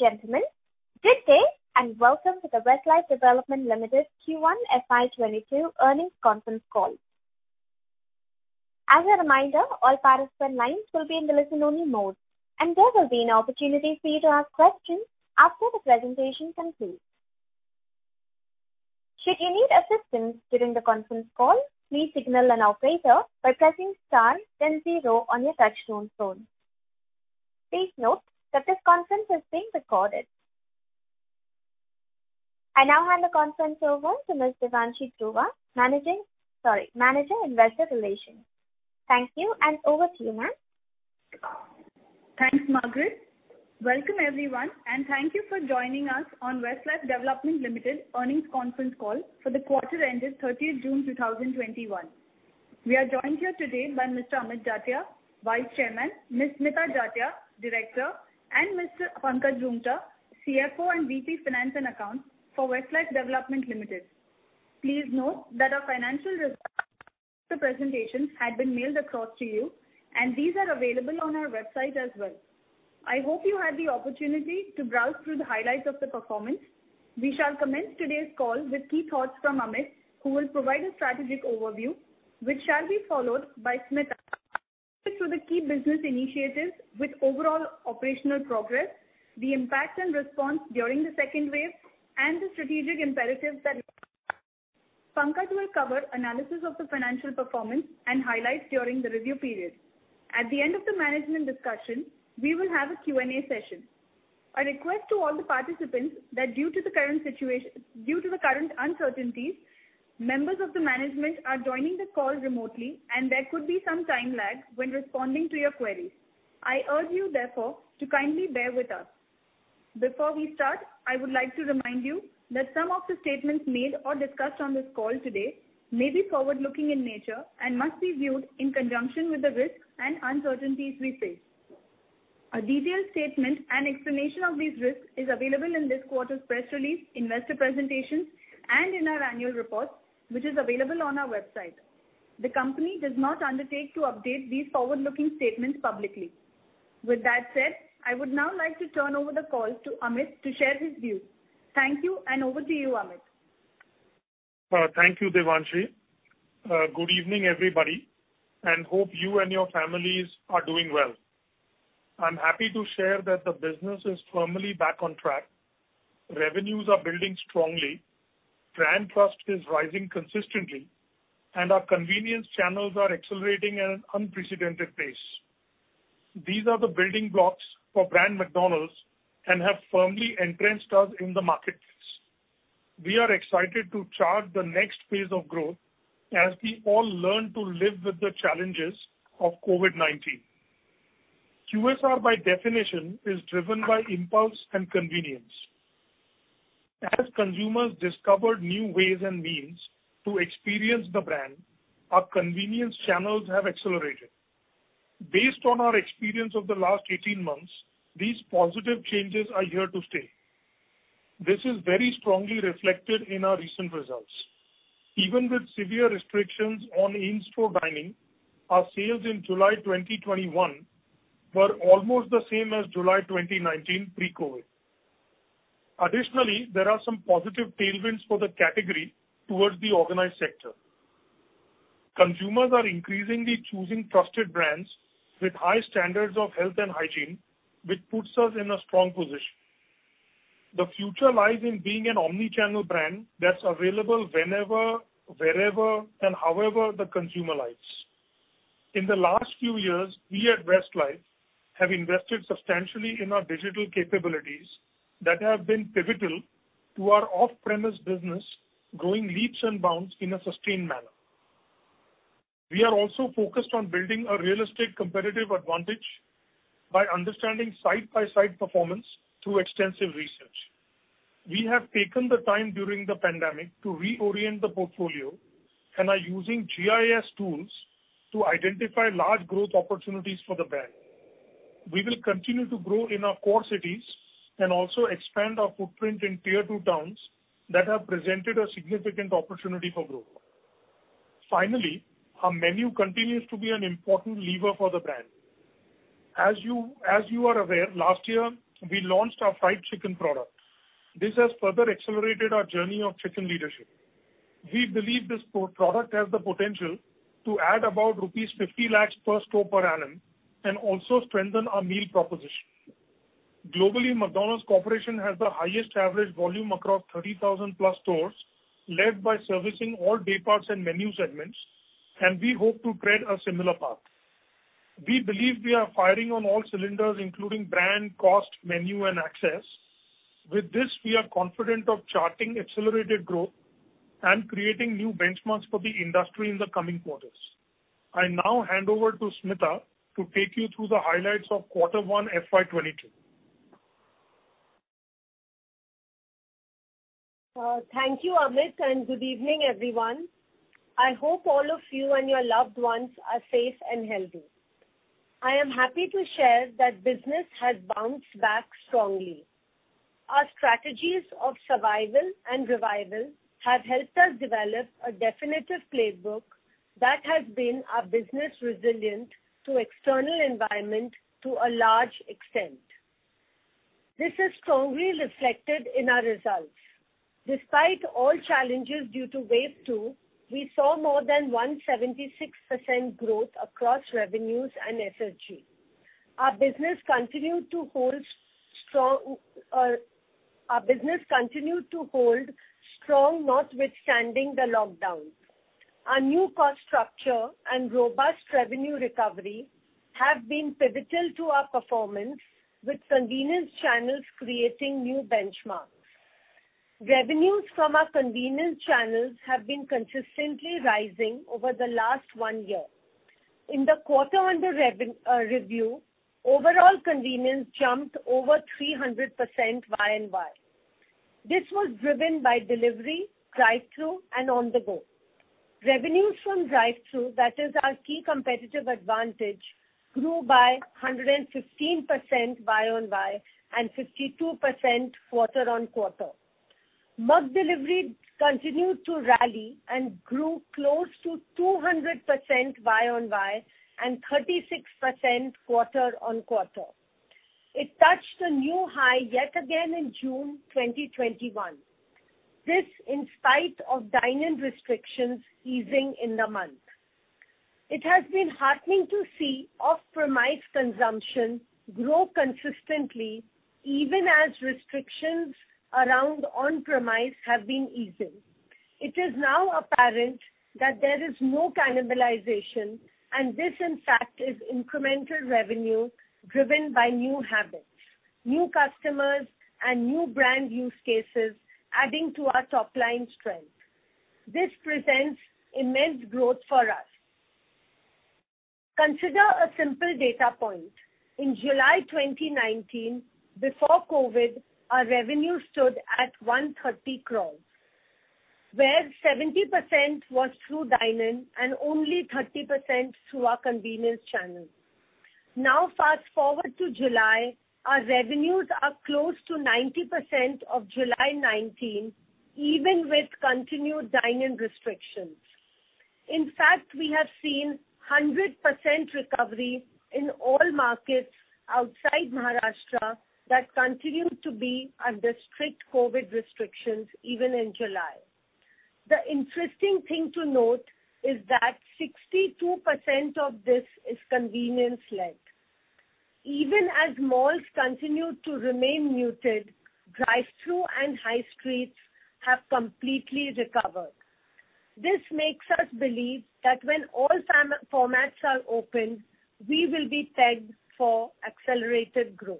Ladies and gentlemen, good day, and welcome to the Westlife Development Limited Q1 FY 2022 Earnings Conference Call. As a reminder, all participant lines will be in the listen only mode, and there will be an opportunity for you to ask questions after the presentation concludes. Should you need assistance during the conference call, please signal an operator by pressing star then zero on your touchtone phone. Please note that this conference is being recorded. I now hand the conference over to Ms. Devanshi Dhruva, Manager, Investor Relations. Thank you, and over to you, ma'am. Thanks, Margaret. Welcome everyone. Thank you for joining us on Westlife Development Limited earnings conference call for the quarter ended 30th June, 2021. We are joined here today by Mr. Amit Jatia, Vice Chairman, Ms. Smita Jatia, Director, and Mr. Pankaj Roongta, CFO and VP, Finance and Accounts for Westlife Development Limited. Please note that our financial results presentation had been mailed across to you. These are available on our website as well. I hope you had the opportunity to browse through the highlights of the performance. We shall commence today's call with key thoughts from Amit, who will provide a strategic overview, which shall be followed by Smita. He will take you through the key business initiatives with overall operational progress, the impact and response during the second wave, and the strategic imperatives that Pankaj will cover analysis of the financial performance and highlights during the review period. At the end of the management discussion, we will have a Q&A session. A request to all the participants that due to the current uncertainties, members of the management are joining the call remotely, and there could be some time lag when responding to your queries. I urge you therefore to kindly bear with us. Before we start, I would like to remind you that some of the statements made or discussed on this call today may be forward-looking in nature and must be viewed in conjunction with the risks and uncertainties we face. A detailed statement and explanation of these risks is available in this quarter's press release, investor presentations, and in our annual report, which is available on our website. The company does not undertake to update these forward-looking statements publicly. With that said, I would now like to turn over the call to Amit to share his views. Thank you, over to you, Amit. Thank you, Devanshi. Good evening, everybody, and hope you and your families are doing well. I'm happy to share that the business is firmly back on track. Revenues are building strongly. Brand trust is rising consistently, and our convenience channels are accelerating at an unprecedented pace. These are the building blocks for brand McDonald's and have firmly entrenched us in the markets. We are excited to chart the next phase of growth as we all learn to live with the challenges of COVID-19. QSR, by definition, is driven by impulse and convenience. As consumers discovered new ways and means to experience the brand, our convenience channels have accelerated. Based on our experience of the last 18 months, these positive changes are here to stay. This is very strongly reflected in our recent results. Even with severe restrictions on in-store dining, our sales in July 2021 were almost the same as July 2019 pre-COVID. Additionally, there are some positive tailwinds for the category towards the organized sector. Consumers are increasingly choosing trusted brands with high standards of health and hygiene, which puts us in a strong position. The future lies in being an omni-channel brand that's available whenever, wherever, and however the consumer likes. In the last few years, we at Westlife have invested substantially in our digital capabilities that have been pivotal to our off-premise business growing leaps and bounds in a sustained manner. We are also focused on building a realistic competitive advantage by understanding side-by-side performance through extensive research. We have taken the time during the pandemic to reorient the portfolio and are using GIS tools to identify large growth opportunities for the brand. We will continue to grow in our core cities and also expand our footprint in Tier-2 towns that have presented a significant opportunity for growth. Our menu continues to be an important lever for the brand. As you are aware, last year we launched our fried chicken product. This has further accelerated our journey of chicken leadership. We believe this product has the potential to add about rupees 50 lakhs per store per annum and also strengthen our meal proposition. Globally, McDonald's Corporation has the highest average volume across 30,000+ stores, led by servicing all day parts and menu segments. We hope to tread a similar path. We believe we are firing on all cylinders, including brand, cost, menu, and access. With this, we are confident of charting accelerated growth and creating new benchmarks for the industry in the coming quarters. I now hand over to Smita to take you through the highlights of quarter one, FY 2022. Thank you, Amit, good evening, everyone. I hope all of you and your loved ones are safe and healthy. I am happy to share that business has bounced back strongly. Our strategies of survival and revival have helped us develop a definitive playbook that has been our business resilient to external environment to a large extent. This is strongly reflected in our results. Despite all challenges due to wave two, we saw more than 176% growth across revenues and SSG. Our business continued to hold strong notwithstanding the lockdowns. Our new cost structure and robust revenue recovery have been pivotal to our performance, with convenience channels creating new benchmarks. Revenues from our convenience channels have been consistently rising over the last one year. In the quarter under review, overall convenience jumped over 300% Y&Y. This was driven by delivery, drive-thru, and on-the-go. Revenues from drive-thru, that is our key competitive advantage, grew by 115% Y-o-Y and 52% quarter-over-quarter. McDelivery continued to rally and grew close to 200% Y-o-Y and 36% quarter-over-quarter. It touched a new high yet again in June 2021. This in spite of dine-in restrictions easing in the month. It has been heartening to see off-premise consumption grow consistently, even as restrictions around on-premise have been easing. It is now apparent that there is no cannibalization, and this in fact is incremental revenue driven by new habits, new customers, and new brand use cases adding to our top-line strength. This presents immense growth for us. Consider a simple data point. In July 2019, before COVID, our revenue stood at 130 crores, where 70% was through dine-in and only 30% through our convenience channel. Fast-forward to July, our revenues are close to 90% of July 2019, even with continued dine-in restrictions. We have seen 100% recovery in all markets outside Maharashtra that continued to be under strict COVID restrictions even in July. The interesting thing to note is that 62% of this is convenience-led. Malls continue to remain muted, drive-thru and high streets have completely recovered. This makes us believe that when all formats are open, we will be pegged for accelerated growth.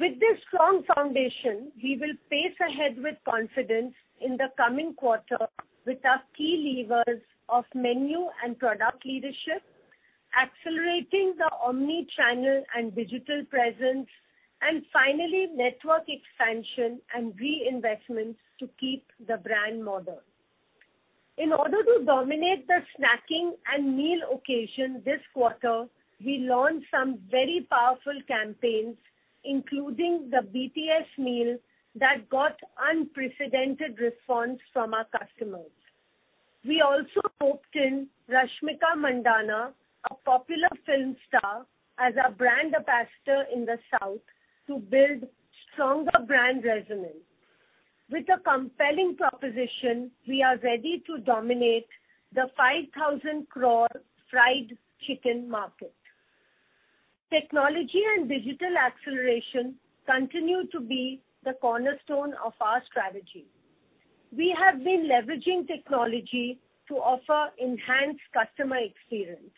With this strong foundation, we will pace ahead with confidence in the coming quarter with our key levers of menu and product leadership, accelerating the omni-channel and digital presence, and finally, network expansion and reinvestments to keep the brand modern. In order to dominate the snacking and meal occasion this quarter, we launched some very powerful campaigns, including the BTS Meal, that got unprecedented response from our customers. We also roped in Rashmika Mandanna, a popular film star, as our brand ambassador in the South to build stronger brand resonance. With a compelling proposition, we are ready to dominate the 5,000 crore fried chicken market. Technology and digital acceleration continue to be the cornerstone of our strategy. We have been leveraging technology to offer enhanced customer experience.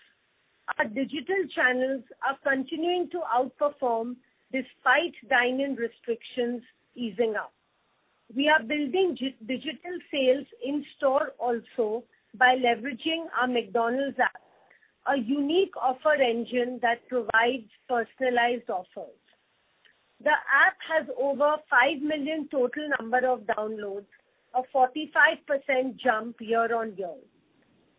Our digital channels are continuing to outperform despite dine-in restrictions easing up. We are building digital sales in store also by leveraging our McDonald's app, a unique offer engine that provides personalized offers. The app has over 5 million total number of downloads, a 45% jump year-on-year.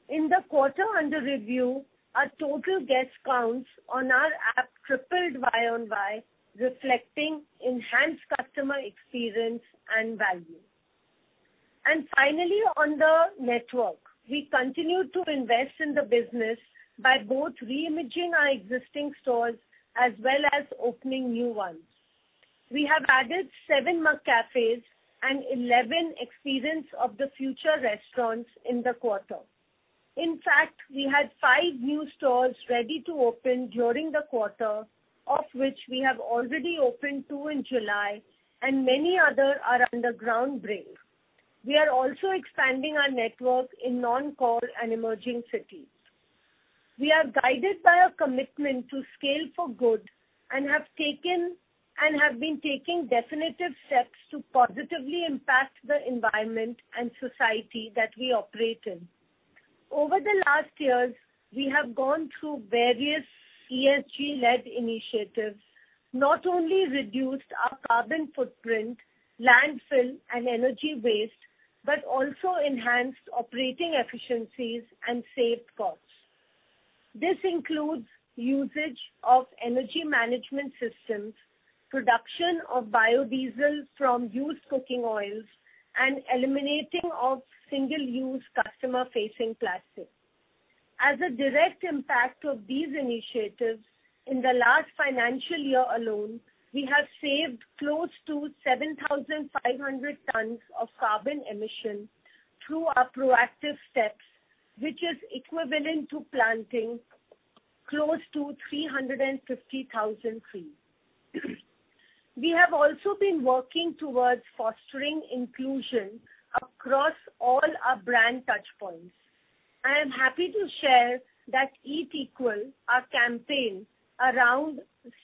In the quarter under review, our total guest counts on our app tripled Y-o-Y, reflecting enhanced customer experience and value. Finally, on the network, we continue to invest in the business by both re-imaging our existing stores as well as opening new ones. We have added seven McCafés and 11 Experience of the Future restaurants in the quarter. In fact, we had five new stores ready to open during the quarter, of which we have already opened two in July, and many other are under ground break. We are also expanding our network in non-core and emerging cities. We are guided by a commitment to scale for good and have been taking definitive steps to positively impact the environment and society that we operate in. Over the last years, we have gone through various ESG-led initiatives, not only reduced our carbon footprint, landfill, and energy waste, but also enhanced operating efficiencies and saved costs. This includes usage of energy management systems, production of biodiesel from used cooking oils, and eliminating of single-use customer-facing plastic. As a direct impact of these initiatives, in the last financial year alone, we have saved close to 7,500 tons of carbon emissions through our proactive steps, which is equivalent to planting close to 350,000 trees. We have also been working towards fostering inclusion across all our brand touchpoints. I am happy to share that EatQual, our campaign around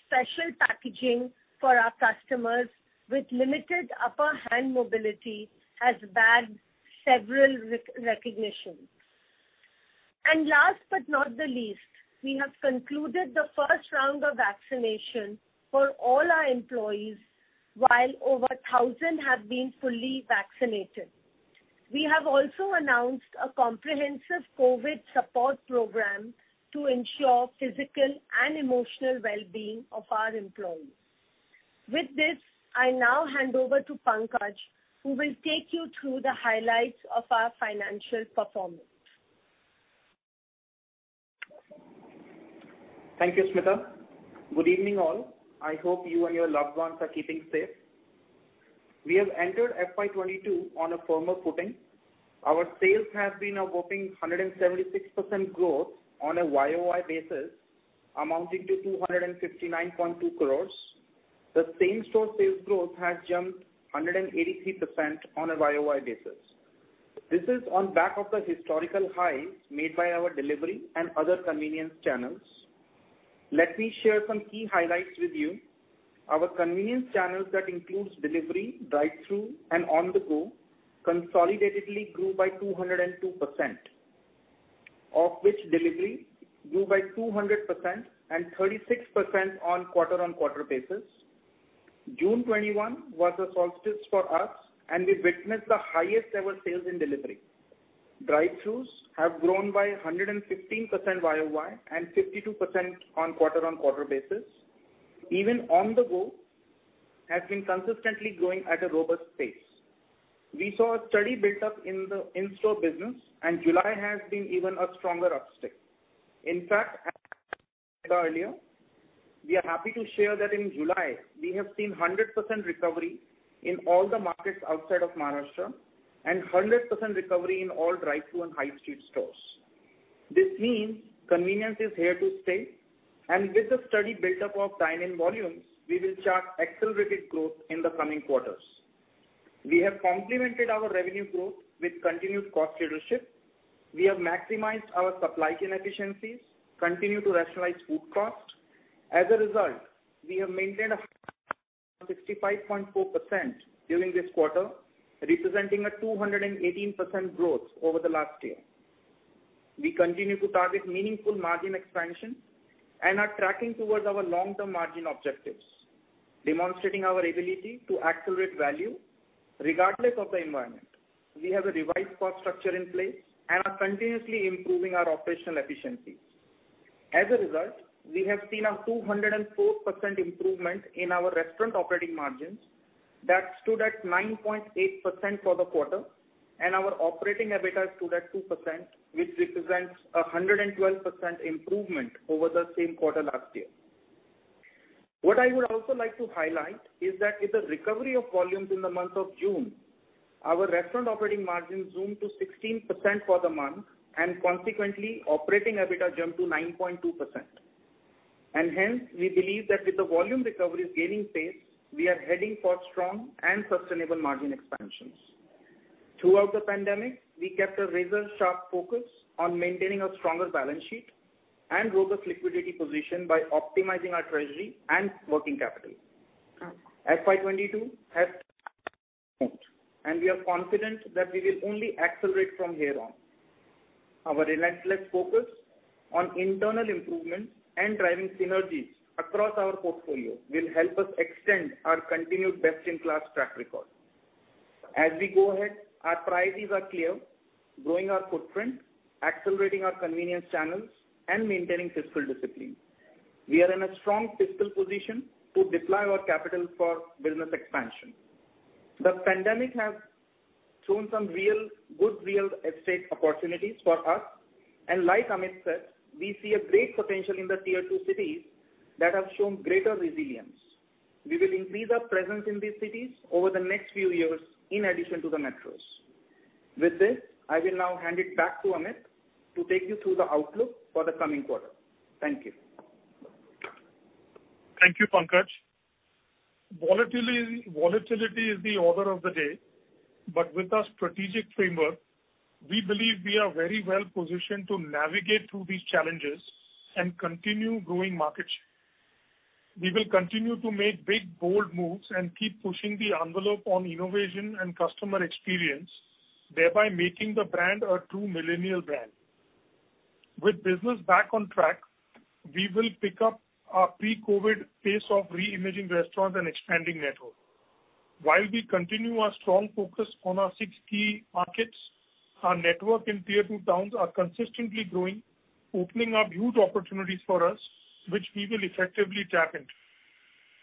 special packaging for our customers with limited upper-limb mobility, has bagged several recognitions. Last but not the least, we have concluded the first round of vaccination for all our employees, while over 1,000 have been fully vaccinated. We have also announced a comprehensive COVID support program to ensure physical and emotional well-being of our employees. With this, I now hand over to Pankaj, who will take you through the highlights of our financial performance. Thank you, Smita. Good evening, all. I hope you and your loved ones are keeping safe. We have entered FY 2022 on a firmer footing. Our sales have been a whopping 176% growth on a Y-o-Y basis, amounting to 259.2 crores. The same-store sales growth has jumped 183% on a Y-o-Y basis. This is on back of the historical highs made by our delivery and other convenience channels. Let me share some key highlights with you. Our convenience channels, that includes delivery, drive-through, and on-the-go, consolidatedly grew by 202%, of which delivery grew by 200% and 36% on quarter-on-quarter basis. June 2021 was a solstice for us, and we witnessed the highest-ever sales in delivery. Drive-throughs have grown by 115% Y-o-Y and 52% on quarter-on-quarter basis. Even on-the-go has been consistently growing at a robust pace. We saw a steady buildup in the in-store business, and July has been even a stronger upstate. In fact, earlier, we are happy to share that in July, we have seen 100% recovery in all the markets outside of Maharashtra and 100% recovery in all drive-through and high-street stores. This means convenience is here to stay, and with the steady buildup of dine-in volumes, we will chart accelerated growth in the coming quarters. We have complemented our revenue growth with continued cost leadership. We have maximized our supply chain efficiencies, continue to rationalize food cost. As a result, we have maintained a 65.4% during this quarter, representing a 218% growth over the last year. We continue to target meaningful margin expansion and are tracking towards our long-term margin objectives, demonstrating our ability to accelerate value regardless of the environment. We have a revised cost structure in place and are continuously improving our operational efficiencies. As a result, we have seen a 204% improvement in our restaurant operating margins that stood at 9.8% for the quarter, and our operating EBITDA stood at 2%, which represents 112% improvement over the same quarter last year. What I would also like to highlight is that with the recovery of volumes in the month of June, our restaurant operating margins zoomed to 16% for the month. Consequently, operating EBITDA jumped to 9.2%. Hence, we believe that with the volume recoveries gaining pace, we are heading for strong and sustainable margin expansions. Throughout the pandemic, we kept a razor-sharp focus on maintaining a stronger balance sheet and robust liquidity position by optimizing our treasury and working capital. We are confident that we will only accelerate from here on. Our relentless focus on internal improvements and driving synergies across our portfolio will help us extend our continued best-in-class track record. As we go ahead, our priorities are clear: growing our footprint, accelerating our convenience channels, and maintaining fiscal discipline. We are in a strong fiscal position to deploy our capital for business expansion. The pandemic has shown some good real estate opportunities for us, and like Amit said, we see a great potential in the Tier-2 cities that have shown greater resilience. We will increase our presence in these cities over the next few years in addition to the metros. With this, I will now hand it back to Amit to take you through the outlook for the coming quarter. Thank you. Thank you, Pankaj. Volatility is the order of the day, but with our strategic framework, we believe we are very well positioned to navigate through these challenges and continue growing market share. We will continue to make big, bold moves and keep pushing the envelope on innovation and customer experience, thereby making the brand a true millennial brand. With business back on track, we will pick up our pre-COVID-19 pace of re-imaging restaurants and expanding network. While we continue our strong focus on our six key markets, our network in Tier-2 towns are consistently growing, opening up huge opportunities for us, which we will effectively tap into.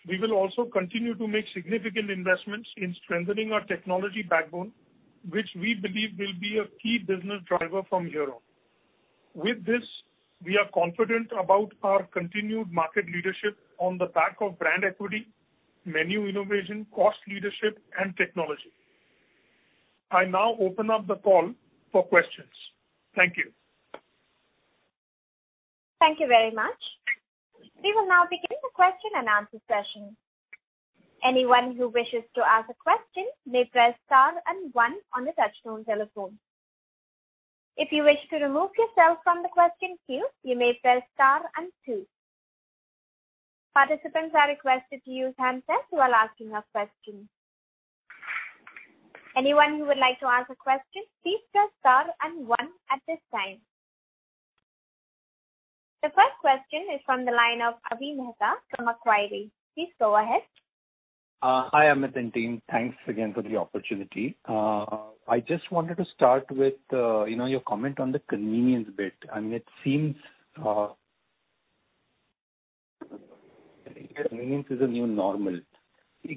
We will also continue to make significant investments in strengthening our technology backbone, which we believe will be a key business driver from here on. With this, we are confident about our continued market leadership on the back of brand equity, menu innovation, cost leadership, and technology. I now open up the call for questions. Thank you. Thank you very much. We will now begin the question-and-answer session. Anyone who wishes to ask a question may press star and one on the touchtone telephone. If you wish to remove yourself from the question queue, you may press star and two. Participants are requested to use handsets while asking a question. Anyone who would like to ask a question, please press star and one at this time. The first question is from the line of Avi Mehta from Macquarie. Please go ahead. Hi, Amit and team. Thanks again for the opportunity. I just wanted to start with your comment on the convenience bit. It seems convenience is a new normal.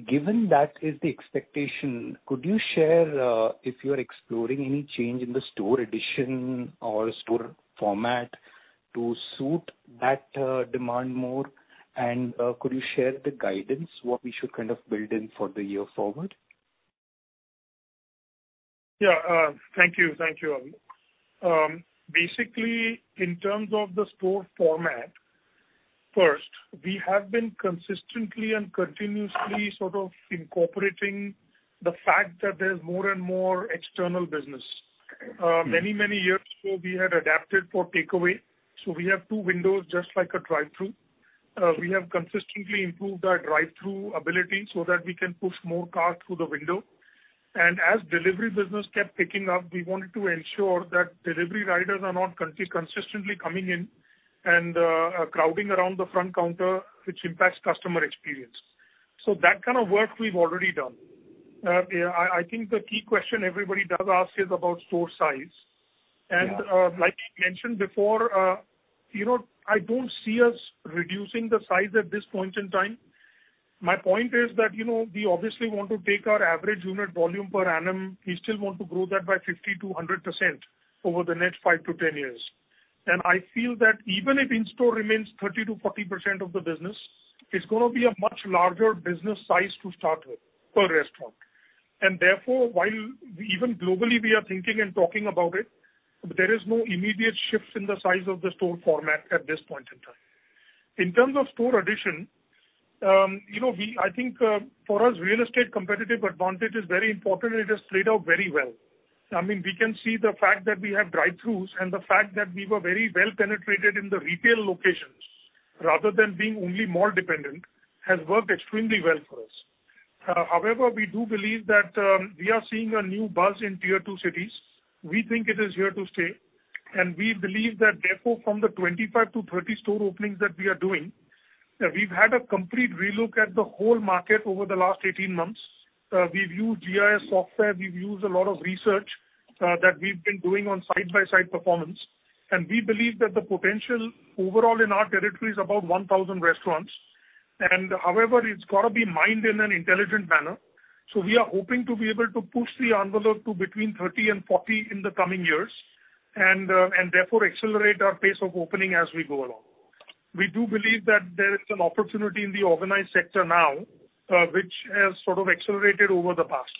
Given that is the expectation, could you share if you are exploring any change in the store addition or store format to suit that demand more, and could you share the guidance, what we should build in for the year forward? Thank you, Avi. Basically, in terms of the store format, first, we have been consistently and continuously incorporating the fact that there's more and more external business. Many, many years ago, we had adapted for takeaway, so we have two windows, just like a drive-through. We have consistently improved our drive-through ability so that we can push more cars through the window. As delivery business kept picking up, we wanted to ensure that delivery riders are not consistently coming in and crowding around the front counter, which impacts customer experience. That kind of work we've already done. I think the key question everybody does ask is about store size. Like I mentioned before, I don't see us reducing the size at this point in time. My point is that we obviously want to take our AUV. We still want to grow that by 50%-100% over the next 5 to 10 years. I feel that even if in-store remains 30%-40% of the business, it's going to be a much larger business size to start with per restaurant. Therefore, while even globally we are thinking and talking about it, there is no immediate shift in the size of the store format at this point in time. In terms of store addition, I think for us, real estate competitive advantage is very important. It has played out very well. We can see the fact that we have drive-throughs and the fact that we were very well penetrated in the retail locations rather than being only mall dependent, has worked extremely well for us. However, we do believe that we are seeing a new buzz in Tier-2 cities. We think it is here to stay, and we believe that therefore from the 25-30 store openings that we are doing, that we've had a complete relook at the whole market over the last 18 months. We've used GIS software, we've used a lot of research that we've been doing on side-by-side performance, and we believe that the potential overall in our territory is about 1,000 restaurants. However, it's got to be mined in an intelligent manner. We are hoping to be able to push the envelope to between 30 and 40 in the coming years, and therefore accelerate our pace of opening as we go along. We do believe that there is an opportunity in the organized sector now, which has sort of accelerated over the past.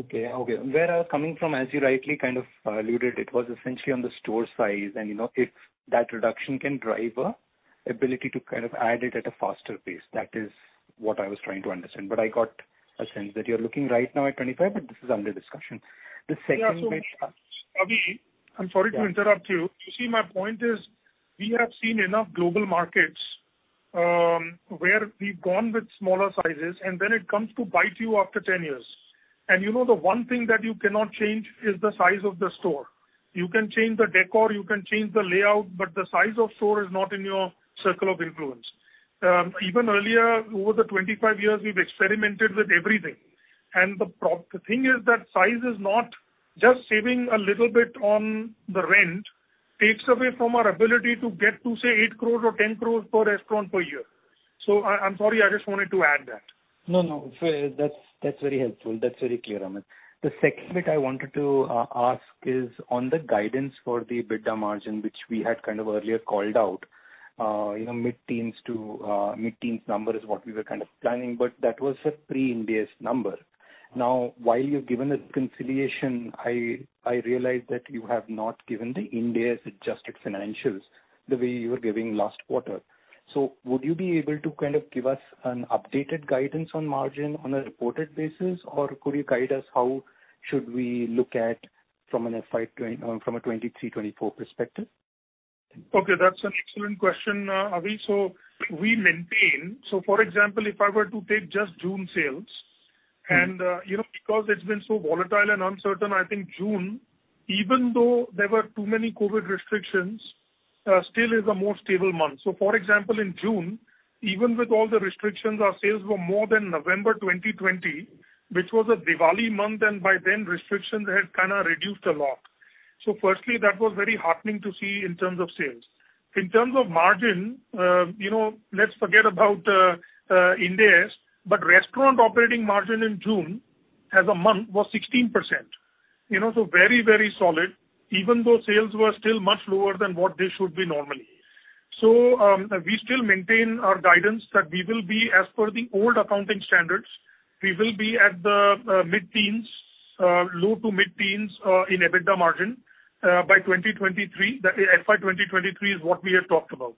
Okay. Where I was coming from, as you rightly kind of alluded, it was essentially on the store size and if that reduction can drive ability to add it at a faster pace. That is what I was trying to understand. I got a sense that you're looking right now at 25, but this is under discussion. Yeah. Avi, I'm sorry to interrupt you. You see, my point is, we have seen enough global markets where we've gone with smaller sizes, and then it comes to bite you after 10 years. You know the one thing that you cannot change is the size of the store. You can change the decor, you can change the layout, but the size of store is not in your circle of influence. Even earlier, over the 25 years, we've experimented with everything, and the thing is that size is not just saving a little bit on the rent, takes away from our ability to get to, say, 8 crore or 10 crore per restaurant per year. I'm sorry, I just wanted to add that. No, no. That's very helpful. That's very clear, Amit. The second bit I wanted to ask is on the guidance for the EBITDA margin, which we had earlier called out. Mid-teens number is what we were kind of planning, but that was a pre-Ind AS number. Now, while you've given a reconciliation, I realize that you have not given the Ind AS adjusted financials the way you were giving last quarter. Would you be able to give us an updated guidance on margin on a reported basis, or could you guide us how should we look at from a 2023, 2024 perspective? Okay, that's an excellent question, Avi. For example, if I were to take just June sales. Because it's been so volatile and uncertain, I think June, even though there were too many COVID restrictions, still is a more stable month. For example, in June, even with all the restrictions, our sales were more than November 2020, which was a Diwali month, and by then restrictions had kind of reduced a lot. Firstly, that was very heartening to see in terms of sales. In terms of margin, let's forget about Ind AS, but restaurant operating margin in June as a month was 16%. Very, very solid, even though sales were still much lower than what they should be normally. We still maintain our guidance that we will be as per the old accounting standards. We will be at the low to mid-teens in EBITDA margin by FY 2023, is what we have talked about.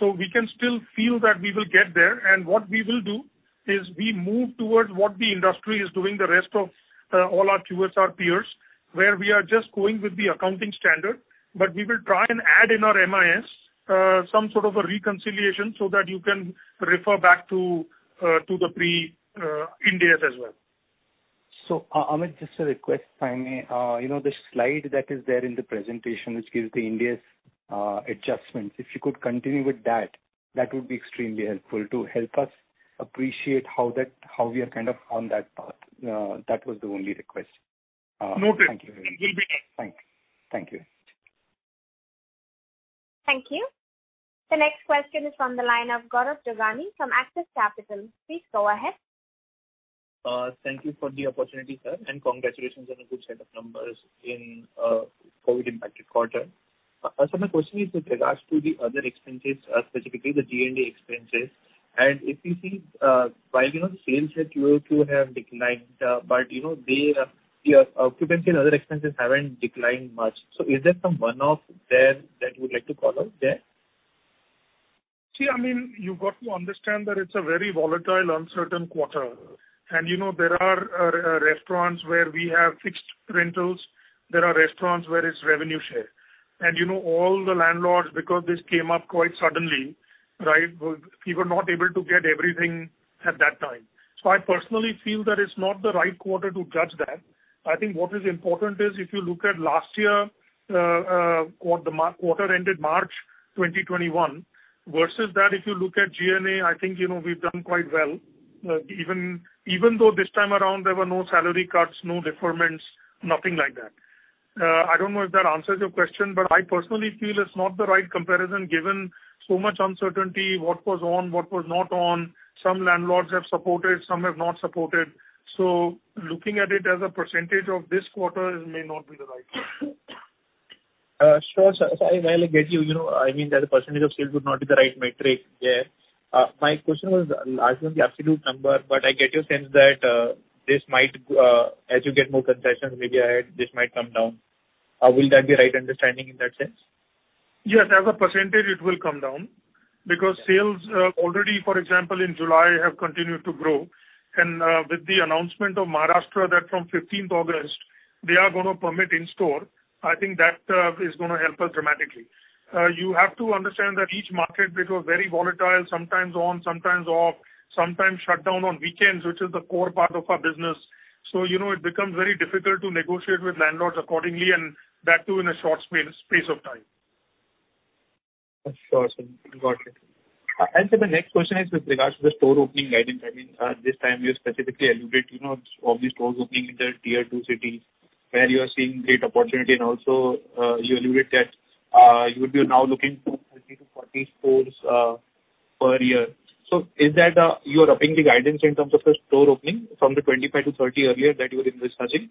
We can still feel that we will get there, and what we will do is we move towards what the industry is doing, the rest of all our QSR peers, where we are just going with the accounting standard. We will try and add in our MIS, some sort of a reconciliation so that you can refer back to the pre Ind AS as well. Amit, just a request, finally. The slide that is there in the presentation which gives the Ind AS adjustments, if you could continue with that would be extremely helpful to help us appreciate how we are kind of on that path. That was the only request. Noted. Thank you very much. It will be done. Thanks. Thank you. Thank you. The next question is from the line of Gaurav Jogani from Axis Capital. Please go ahead. Thank you for the opportunity, sir, and congratulations on a good set of numbers in a COVID-19-impacted quarter. My question is with regards to the other expenses, specifically the G&A expenses. If you see, while the sales at Q2 have declined, but your occupancy and other expenses haven't declined much. Is there some one-off there that you would like to call out there? You've got to understand that it's a very volatile, uncertain quarter. There are restaurants where we have fixed rentals, there are restaurants where it's revenue share. All the landlords, because this came up quite suddenly, right? We were not able to get everything at that time. I personally feel that it's not the right quarter to judge that. I think what is important is if you look at last year, the quarter ended March 2021, versus that, if you look at G&A, I think we've done quite well. Even though this time around, there were no salary cuts, no deferments, nothing like that. I don't know if that answers your question, but I personally feel it's not the right comparison, given so much uncertainty, what was on, what was not on. Some landlords have supported, some have not supported. Looking at it as a percentage of this quarter may not be the right way. Sure, sir. I get you. I mean that the percentage of sales would not be the right metric, yes. My question was largely on the absolute number. I get your sense that as you get more concessions, maybe this might come down. Will that be the right understanding in that sense? Yes. As a percentage, it will come down because sales already, for example, in July, have continued to grow. With the announcement of Maharashtra that from 15th August they are going to permit in-store, I think that is going to help us dramatically. You have to understand that each market, it was very volatile, sometimes on, sometimes off, sometimes shut down on weekends, which is the core part of our business. It becomes very difficult to negotiate with landlords accordingly, and that too in a short space of time. That's awesome. Got it. Sir, my next question is with regards to the store opening guidance. This time you specifically alluded to the stores opening in the Tier-2 cities where you are seeing great opportunity. Also, you alluded that you would be now looking to 30-40 stores per year. Is that you are upping the guidance in terms of the store opening from the 25-30 earlier that you were discussing?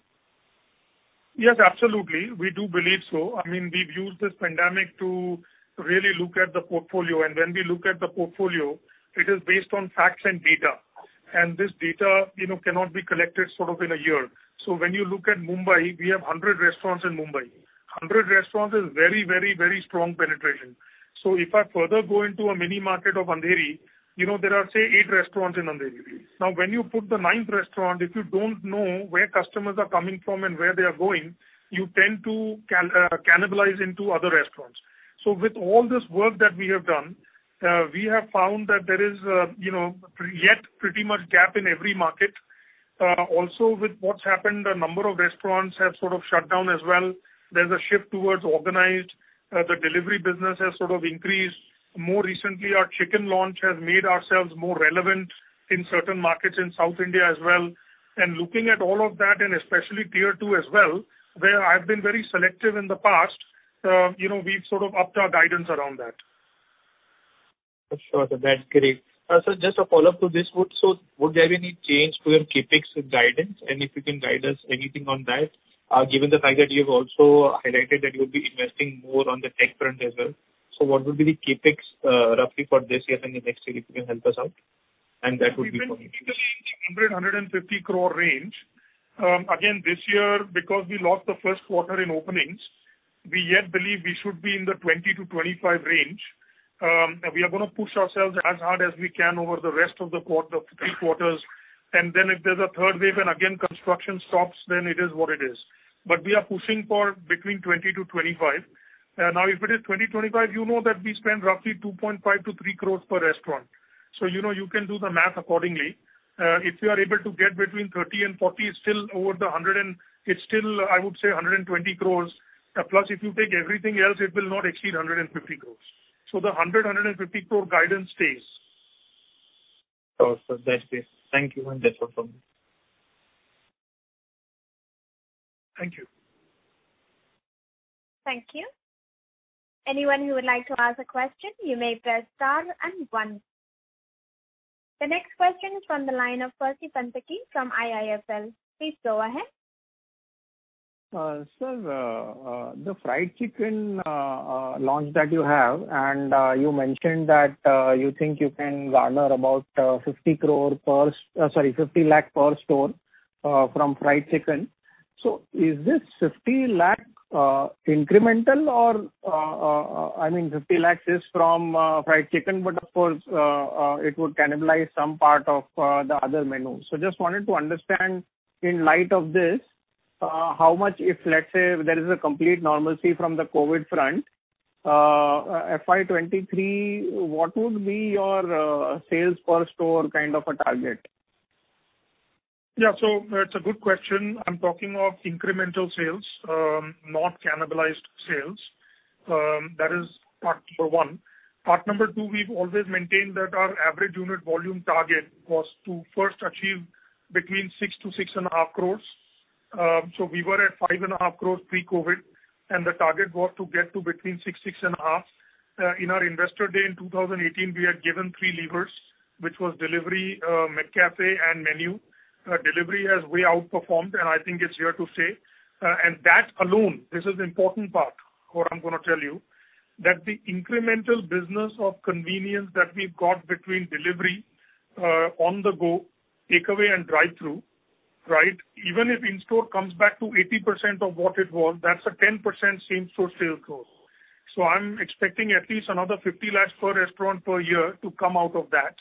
Yes, absolutely. We do believe so. We've used this pandemic to really look at the portfolio, and when we look at the portfolio, it is based on facts and data. This data cannot be collected sort of in a year. When you look at Mumbai, we have 100 restaurants in Mumbai. 100 restaurants is very, very, very strong penetration. If I further go into a mini market of Andheri, there are, say, 8 restaurants in Andheri. Now, when you put the 9th restaurant, if you don't know where customers are coming from and where they are going, you tend to cannibalize into other restaurants. With all this work that we have done, we have found that there is yet pretty much gap in every market. Also with what's happened, a number of restaurants have sort of shut down as well. There's a shift towards organized. The delivery business has sort of increased. More recently, our chicken launch has made ourselves more relevant in certain markets in South India as well. Looking at all of that, and especially Tier-2 as well, where I've been very selective in the past, we've sort of upped our guidance around that. Sure, sir. That's great. Sir, just a follow-up to this. Would there be any change to your CapEx guidance? If you can guide us anything on that, given the fact that you've also highlighted that you'll be investing more on the tech front as well. What would be the CapEx roughly for this year and the next year, if you can help us out? That would be for me, please. We've been between 100 crore-150 crore range. This year, because we lost the first quarter in openings, we yet believe we should be in the 20 to 25 range. We are going to push ourselves as hard as we can over the rest of the three quarters. If there's a third wave and again construction stops, then it is what it is. We are pushing for between 20-25. If it is 20 to 25, you know that we spend roughly 2.5 crore-3 crore per restaurant. You can do the math accordingly. If you are able to get between 30 and 40, it's still, I would say, 120 crore. If you take everything else, it will not exceed 150 crore. The 100 crore-150 crore guidance stays. Awesome. That's it. Thank you. That's all from me. Thank you. Thank you. Anyone who would like to ask a question, you may press star and one. The next question is from the line of Percy Panthaki from IIFL. Please go ahead. Sir, the fried chicken launch that you have, and you mentioned that you think you can garner about 50 lakh per store from fried chicken. Is this 50 lakh incremental? I mean, 50 lakh is from fried chicken, but of course, it would cannibalize some part of the other menu. Just wanted to understand, in light of this, how much if, let's say, there is a complete normalcy from the COVID front, FY 2023, what would be your sales per store kind of a target? It's a good question. I'm talking of incremental sales, not cannibalized sales. That is part number 1. Part number two, we've always maintained that our average unit volume target was to first achieve between 6 to 6 and a half crores. We were at 5 and a half crores pre-COVID, and the target was to get to between 6, 6 and a half. In our investor day in 2018, we had given three levers, which was delivery, McCafé, and menu. Delivery has way outperformed, and I think it's here to stay. That alone, this is the important part of what I'm going to tell you, that the incremental business of convenience that we've got between delivery on the go, takeaway, and drive-thru. Even if in-store comes back to 80% of what it was, that's a 10% same-store sales growth. I'm expecting at least another 50 lakhs per restaurant per year to come out of that.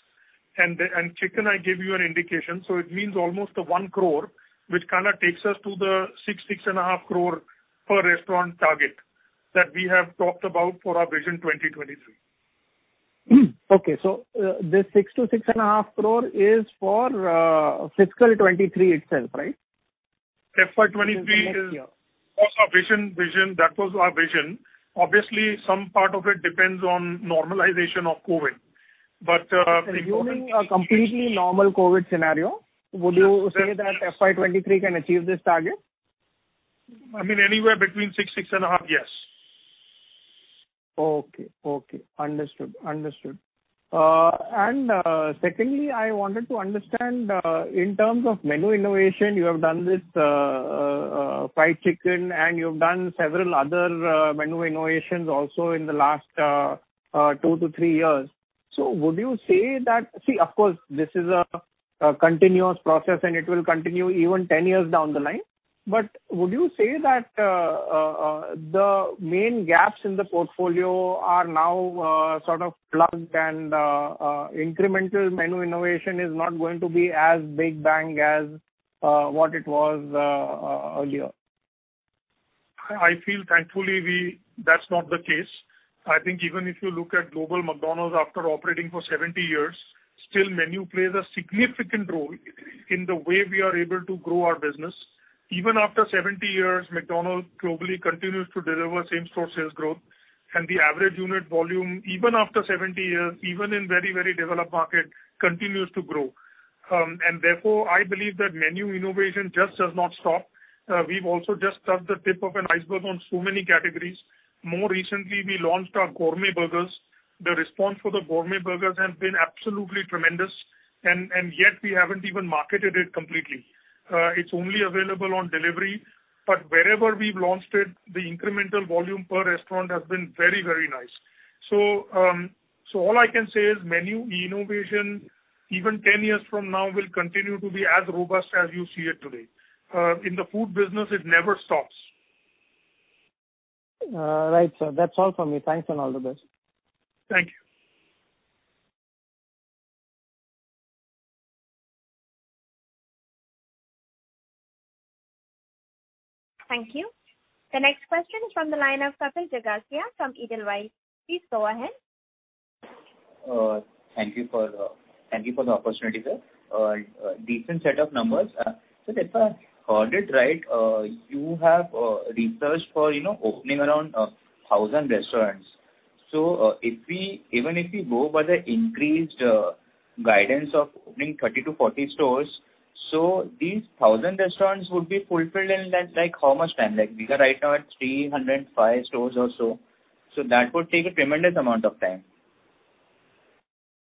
Chicken, I gave you an indication, it means almost 1 crore, which kind of takes us to the 6-6.5 crore per restaurant target that we have talked about for our Vision 2027. Okay. This 6 crore-6.5 crore is for FY 2023 itself, right? Next year. That was our vision. Obviously, some part of it depends on normalization of COVID. Assuming a completely normal COVID scenario, would you say that FY 2023 can achieve this target? I mean, anywhere between six and a half, yes. Okay. Understood. Secondly, I wanted to understand in terms of menu innovation, you have done this fried chicken, and you've done several other menu innovations also in the last two to three years. See, of course, this is a continuous process, and it will continue even 10 years down the line. Would you say that the main gaps in the portfolio are now sort of plugged and incremental menu innovation is not going to be as big bang as what it was earlier? I feel thankfully, that's not the case. I think even if you look at global McDonald's after operating for 70 years, still menu plays a significant role in the way we are able to grow our business. Even after 70 years, McDonald's globally continues to deliver same-store sales growth. The average unit volume, even after 70 years, even in very developed market, continues to grow. Therefore, I believe that menu innovation just does not stop. We've also just touched the tip of an iceberg on so many categories. More recently, we launched our gourmet burgers. The response for the gourmet burgers has been absolutely tremendous, and yet we haven't even marketed it completely. It's only available on delivery, but wherever we've launched it, the incremental volume per restaurant has been very nice. All I can say is menu innovation, even 10 years from now, will continue to be as robust as you see it today. In the food business, it never stops. Right, sir. That's all from me. Thanks, and all the best. Thank you. Thank you. The next question is from the line of Kapil Jagasia from Edelweiss. Please go ahead. Thank you for the opportunity, sir. Decent set of numbers. If I heard it right, you have researched for opening around 1,000 restaurants. Even if we go by the increased guidance of opening 30 to 40 stores, these 1,000 restaurants would be fulfilled in how much time? We are right now at 305 stores or so. That would take a tremendous amount of time.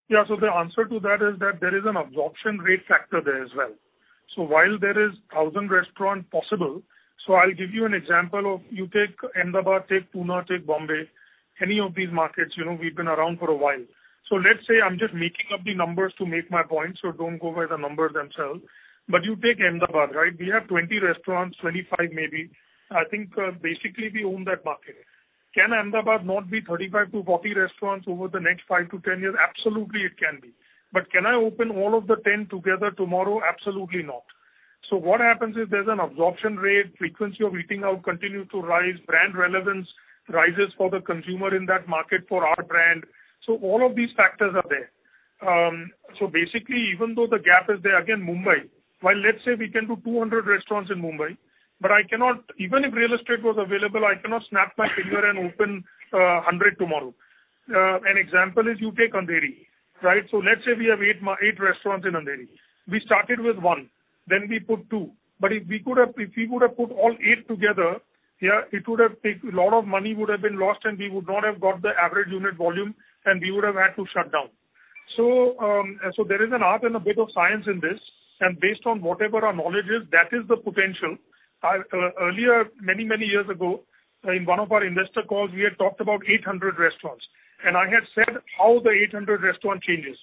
The answer to that is that there is an absorption rate factor there as well. While there is 1,000 restaurant possible, I'll give you an example of you take Ahmedabad, take Pune, take Bombay, any of these markets, we've been around for a while. Let's say I'm just making up the numbers to make my point, so don't go by the numbers themselves. You take Ahmedabad, right? We have 20 restaurants, 25 maybe. I think basically we own that market. Can Ahmedabad not be 35 to 40 restaurants over the next five to ten years? Absolutely it can be. Can I open all of the 10 together tomorrow? Absolutely not. What happens is there's an absorption rate, frequency of eating out continue to rise, brand relevance rises for the consumer in that market for our brand. All of these factors are there. Basically, even though the gap is there, again, Mumbai, while let's say we can do 200 restaurants in Mumbai, but even if real estate was available, I cannot snap my finger and open 100 tomorrow. An example is you take Andheri. Let's say we have eight restaurants in Andheri. We started with one, then we put two. If we would have put all eight together here, a lot of money would have been lost, and we would not have got the average unit volume, and we would have had to shut down. There is an art and a bit of science in this, and based on whatever our knowledge is, that is the potential. Earlier, many, many years ago, in one of our investor calls, we had talked about 800 restaurants, and I had said how the 800 restaurant changes.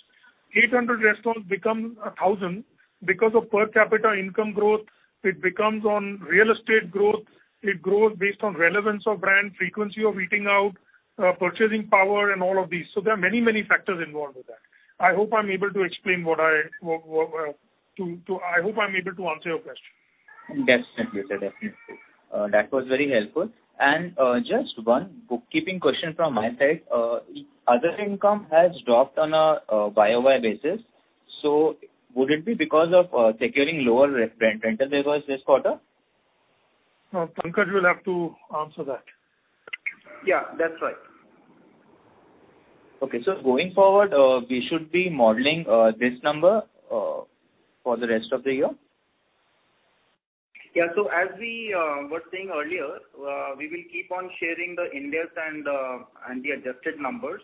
800 restaurants become 1,000 because of per capita income growth. It becomes on real estate growth. It grows based on relevance of brand, frequency of eating out, purchasing power, and all of these. There are many, many factors involved with that. I hope I'm able to answer your question. Definitely, sir. Definitely. That was very helpful. Just one bookkeeping question from my side. Other income has dropped on a Y-o-Y basis. Would it be because of securing lower rental revenues this quarter? No. Pankaj will have to answer that. Yeah, that's right. Okay. Going forward, we should be modeling this number for the rest of the year? Yeah. As we were saying earlier, we will keep on sharing the index and the adjusted numbers,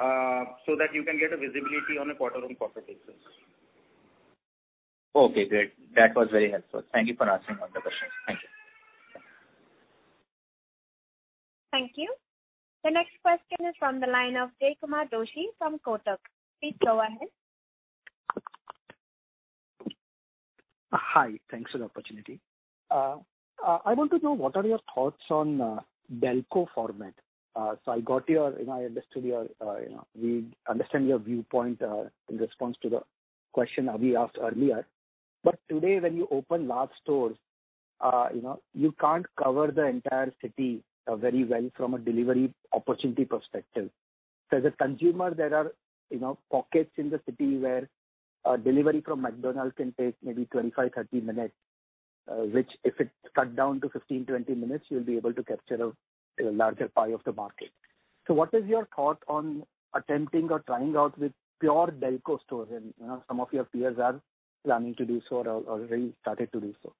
so that you can get a visibility on a quarter-on-quarter basis. Okay, great. That was very helpful. Thank you for answering all the questions. Thank you. Thank you. The next question is from the line of Jaykumar Doshi from Kotak. Please go ahead. Hi. Thanks for the opportunity. I want to know what are your thoughts on DELCO format. We understand your viewpoint in response to the question Avi Mehta asked earlier. Today, when you open large stores, you can't cover the entire city very well from a delivery opportunity perspective. As a consumer, there are pockets in the city where delivery from McDonald's can take maybe 25, 30 minutes. Which if it's cut down to 15, 20 minutes, you'll be able to capture a larger pie of the market. What is your thought on attempting or trying out with pure DELCO stores? Some of your peers are planning to do so or already started to do so.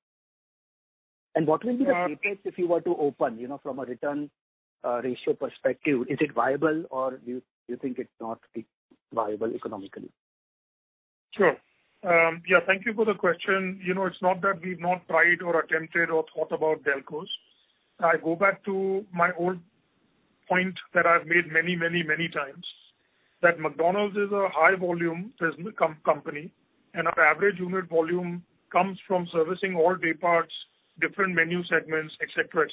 What will be the CapEx if you were to open, from a return ratio perspective? Is it viable, or do you think it's not viable economically? Sure. Thank you for the question. It's not that we've not tried or attempted or thought about DELCOs. I go back to my old point that I've made many, many, many times, that McDonald's is a high volume company, and our average unit volume comes from servicing all day parts, different menu segments, et cetera.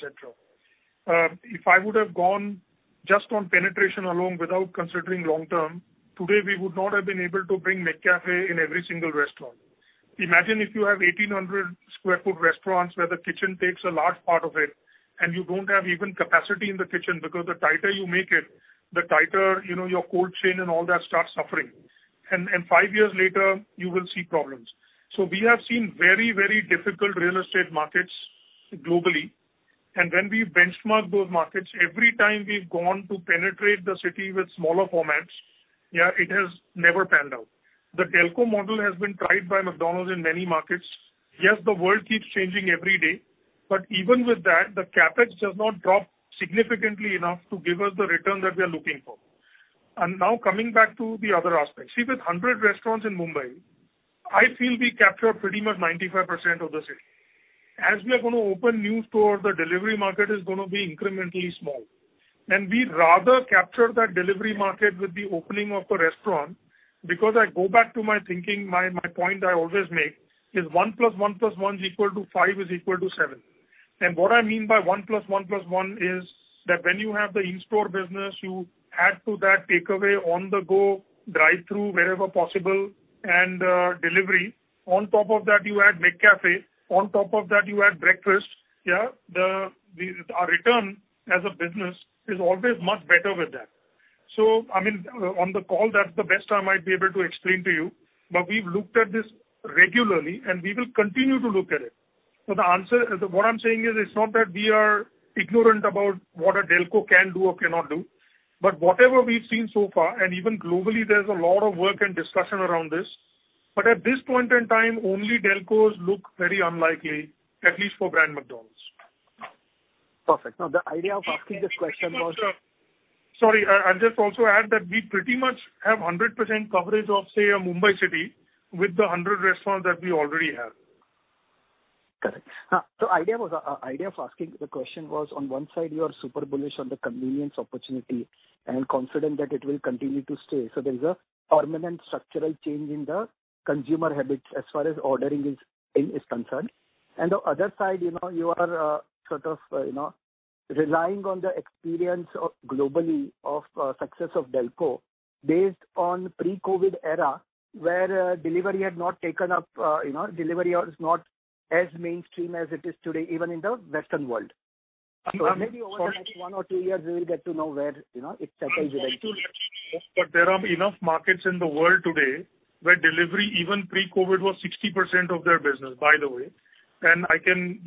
If I would have gone just on penetration alone without considering long-term, today, we would not have been able to bring McCafé in every single restaurant. Imagine if you have 1,800 square foot restaurants where the kitchen takes a large part of it, and you don't have even capacity in the kitchen because the tighter you make it, the tighter your cold chain and all that starts suffering. Five years later, you will see problems. We have seen very, very difficult real estate markets globally. When we benchmark those markets, every time we've gone to penetrate the city with smaller formats, yeah, it has never panned out. The DELCO model has been tried by McDonald's in many markets. Yes, the world keeps changing every day, but even with that, the CapEx does not drop significantly enough to give us the return that we are looking for. Now coming back to the other aspects. See, with 100 restaurants in Mumbai, I feel we capture pretty much 95% of the city. As we are going to open new stores, the delivery market is going to be incrementally small. We'd rather capture that delivery market with the opening of a restaurant because I go back to my thinking, my point I always make is one plus one plus one is equal to five is equal to seven. What I mean by one plus one plus one is that when you have the in-store business, you add to that takeaway, on-the-go, drive-thru wherever possible, and delivery. On top of that, you add McCafé. On top of that, you add breakfast. Our return as a business is always much better with that. On the call, that's the best I might be able to explain to you. We've looked at this regularly, and we will continue to look at it. What I'm saying is it's not that we are ignorant about what a DELCO can do or cannot do, but whatever we've seen so far, and even globally, there's a lot of work and discussion around this. At this point in time, only DELCOs look very unlikely, at least for brand McDonald's. Perfect. Now, the idea of asking this question was. Sorry, I'll just also add that we pretty much have 100% coverage of, say, a Mumbai city with the 100 restaurants that we already have. Correct. Idea of asking the question was, on one side, you are super bullish on the convenience opportunity and confident that it will continue to stay. There is a permanent structural change in the consumer habits as far as ordering is concerned. The other side, you are sort of relying on the experience globally of success of DELCO based on pre-COVID era, where delivery had not taken up, delivery was not as mainstream as it is today, even in the Western world. Maybe over the next one or two years, we will get to know where it settles eventually. There are enough markets in the world today where delivery, even pre-COVID-19, was 60% of their business, by the way. I can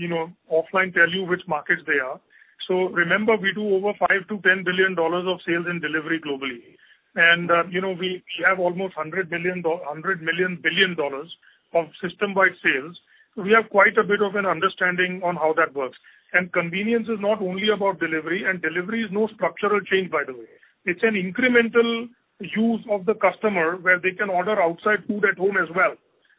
offline tell you which markets they are. Remember, we do over INR 5 billion-INR 10 billion of sales in delivery globally. We have almost 100 billion of system-wide sales. We have quite a bit of an understanding on how that works. Convenience is not only about delivery, and delivery is no structural change, by the way. It's an incremental use of the customer where they can order outside food at home as well,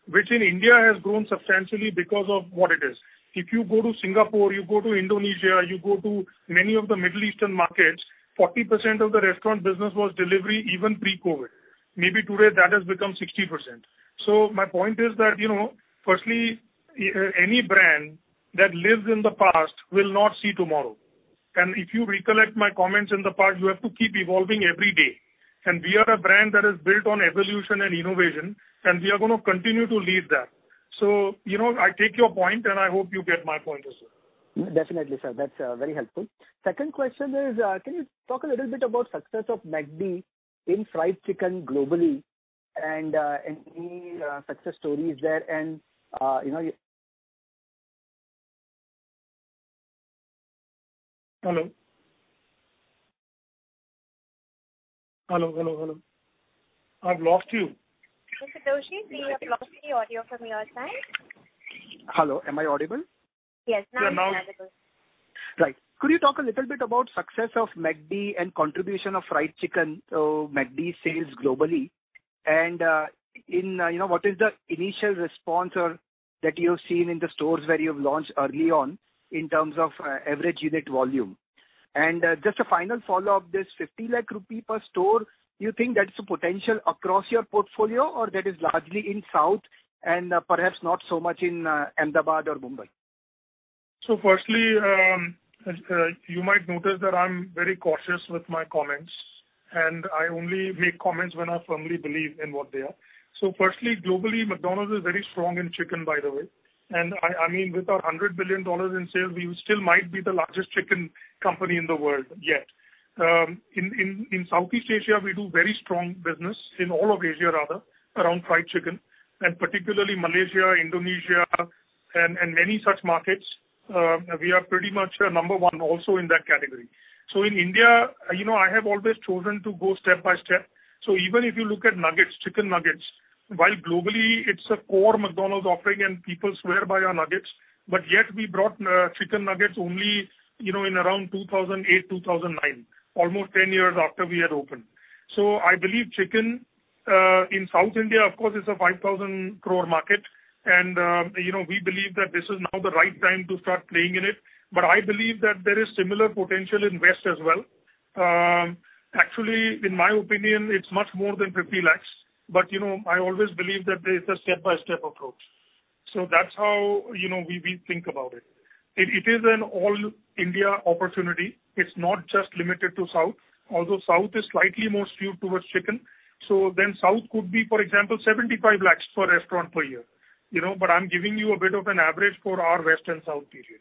which in India has grown substantially because of what it is. If you go to Singapore, you go to Indonesia, you go to many of the Middle Eastern markets, 40% of the restaurant business was delivery even pre-COVID-19. Maybe today that has become 60%. My point is that, firstly, any brand that lives in the past will not see tomorrow. If you recollect my comments in the past, you have to keep evolving every day. We are a brand that is built on evolution and innovation, and we are going to continue to lead that. I take your point, and I hope you get my point as well. Definitely, sir. That's very helpful. Second question is, can you talk a little bit about success of McD in fried chicken globally and any success stories there? Hello? Hello, hello. I've lost you. Mr. Doshi, we have lost the audio from your side. Hello, am I audible? Yes, now you are audible. Right. Could you talk a little bit about success of McD and contribution of fried chicken to McD sales globally? What is the initial response that you've seen in the stores where you've launched early on in terms of average unit volume? Just a final follow-up, this 50 lakh rupee per store, do you think that's the potential across your portfolio or that is largely in South and perhaps not so much in Ahmedabad or Mumbai? Firstly, you might notice that I'm very cautious with my comments, and I only make comments when I firmly believe in what they are. Firstly, globally, McDonald's is very strong in chicken, by the way. With our $100 billion in sales, we still might be the largest chicken company in the world yet. In Southeast Asia, we do very strong business, in all of Asia rather, around fried chicken, and particularly Malaysia, Indonesia, and many such markets. We are pretty much number one also in that category. In India, I have always chosen to go step by step. Even if you look at nuggets, chicken nuggets, while globally it's a core McDonald's offering and people swear by our nuggets, but yet we brought chicken nuggets only in around 2008, 2009, almost 10 years after we had opened. I believe chicken in South India, of course, it's an 5,000 crore market, and we believe that this is now the right time to start playing in it. I believe that there is similar potential in West as well. Actually, in my opinion, it's much more than 50 lakhs, but I always believe that there's a step-by-step approach. That's how we think about it. It is an all-India opportunity. It's not just limited to South, although South is slightly more skewed towards chicken. South could be, for example, 75 lakhs per restaurant per year. I'm giving you a bit of an average for our West and South region.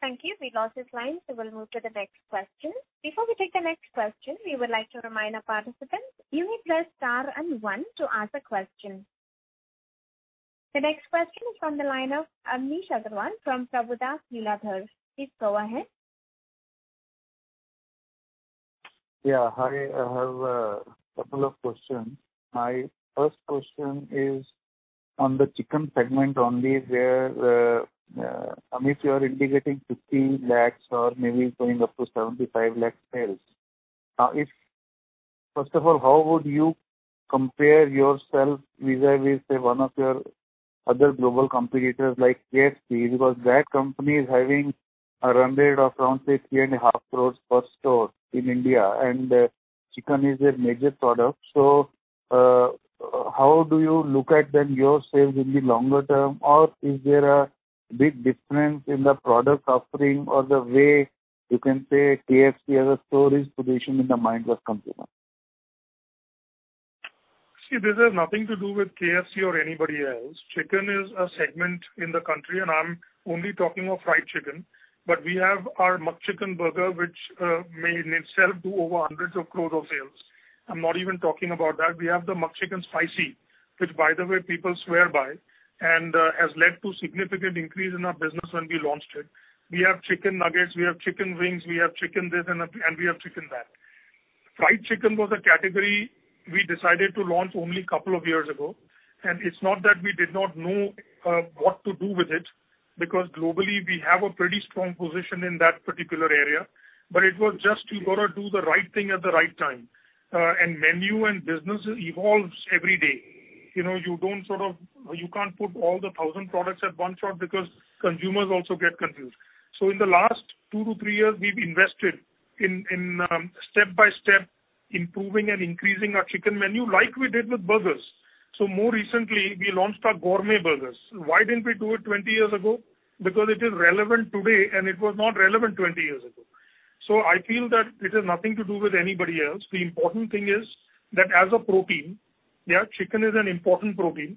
Thank you. We lost his line. We'll move to the next question. Before we take the next question, we would like to remind our participants you may press star and one to ask a question. The next question is from the line of Amnish Aggarwal from Prabhudas Lilladher. Please go ahead. Yeah. Hi. I have a couple of questions. My first question is on the chicken segment only, where, Amit, you are indicating 50 lakhs or maybe going up to 75 lakh sales. First of all, how would you compare yourself vis-a-vis, say, one of your other global competitors like KFC, because that company is having a run rate of around, say, 3.5 crores per store in India, and chicken is their major product. How do you look at then your sales in the longer term, or is there a big difference in the product offering or the way you can say KFC has a strong position in the mind of consumer? See, this has nothing to do with KFC or anybody else. Chicken is a segment in the country, and I'm only talking of fried chicken. We have our McChicken burger, which may in itself do over hundreds of crores of sales. I'm not even talking about that. We have the Spicy McChicken, which, by the way, people swear by, and has led to significant increase in our business when we launched it. We have chicken nuggets, we have chicken wings, we have chicken this, and we have chicken that. Fried chicken was a category we decided to launch only two years ago, and it's not that we did not know what to do with it, because globally we have a pretty strong position in that particular area. It was just you got to do the right thing at the right time. Menu and business evolves every day. You can't put all the 1,000 products at one shot because consumers also get confused. In the last two to three years, we've invested in step-by-step improving and increasing our chicken menu like we did with burgers. More recently, we launched our gourmet burgers. Why didn't we do it 20 years ago? Because it is relevant today, and it was not relevant 20 years ago. I feel that it has nothing to do with anybody else. The important thing is that as a protein, chicken is an important protein.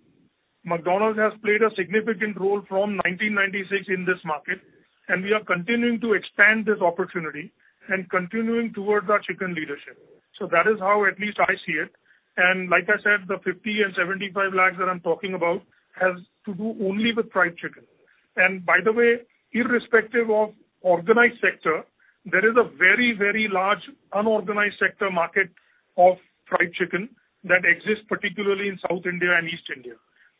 McDonald's has played a significant role from 1996 in this market, and we are continuing to expand this opportunity and continuing towards our chicken leadership. That is how at least I see it. Like I said, the 50 and 75 lakhs that I am talking about has to do only with fried chicken. By the way, irrespective of organized sector, there is a very, very large unorganized sector market of fried chicken that exists particularly in South India and East India.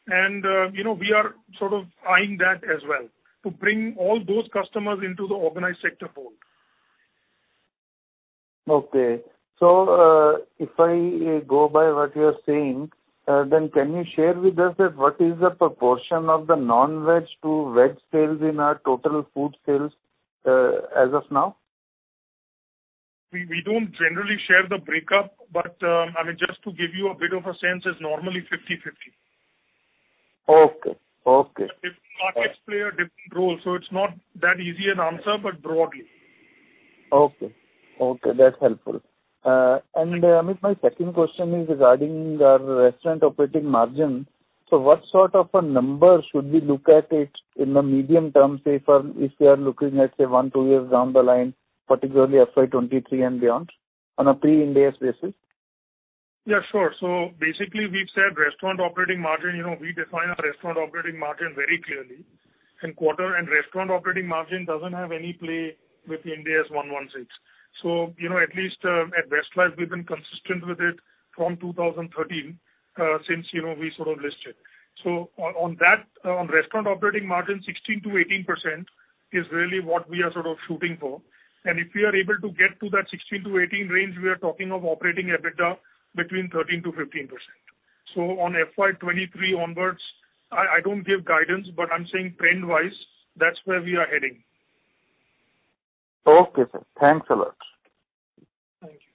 We are sort of eyeing that as well to bring all those customers into the organized sector fold. Okay. If I go by what you're saying, then can you share with us what is the proportion of the non-veg to veg sales in our total food sales as of now? We don't generally share the breakup. Just to give you a bit of a sense, it's normally 50/50. Okay. Different markets play a different role, so it's not that easy an answer, but broadly. Okay. That's helpful. Amit, my second question is regarding our restaurant operating margin. What sort of a number should we look at it in the medium term, one, two years down the line, particularly FY 2023 and beyond on a pre-Ind AS basis? Yeah, sure. Basically, we've said restaurant operating margin. We define our restaurant operating margin very clearly. Restaurant operating margin doesn't have any play with Ind AS 116. At least at Westlife, we've been consistent with it from 2013, since we sort of listed. On restaurant operating margin, 16%-18% is really what we are sort of shooting for. If we are able to get to that 16-18 range, we are talking of operating EBITDA between 13%-15%. On FY 2023 onwards, I don't give guidance, but I'm saying trend-wise, that's where we are heading. Okay, sir. Thanks a lot. Thank you.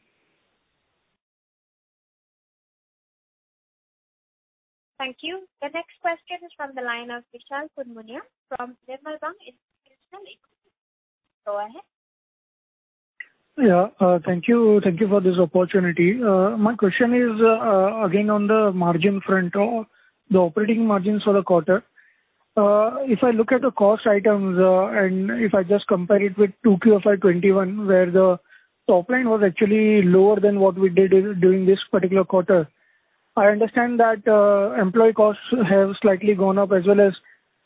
Thank you. The next question is from the line of Vishal Punmiya from Edelweiss Institutional Equities. Go ahead. Yeah. Thank you for this opportunity. My question is again on the margin front or the operating margins for the quarter. If I look at the cost items, and if I just compare it with 2Q of FY 2021 where the top line was actually lower than what we did during this particular quarter. I understand that employee costs have slightly gone up as well as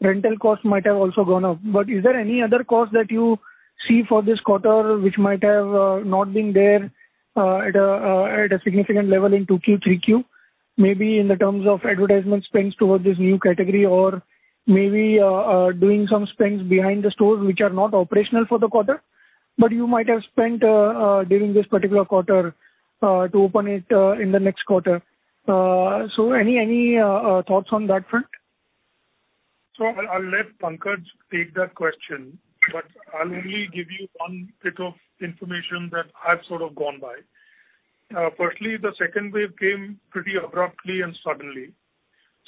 rental costs might have also gone up. Is there any other cost that you see for this quarter which might have not been there at a significant level in 2Q, 3Q? Maybe in the terms of advertisement spends towards this new category or maybe doing some spends behind the stores which are not operational for the quarter. You might have spent during this particular quarter to open it in the next quarter. Any thoughts on that front? I'll let Pankaj take that question, but I'll only give you one bit of information that I've sort of gone by. Firstly, the second wave came pretty abruptly and suddenly.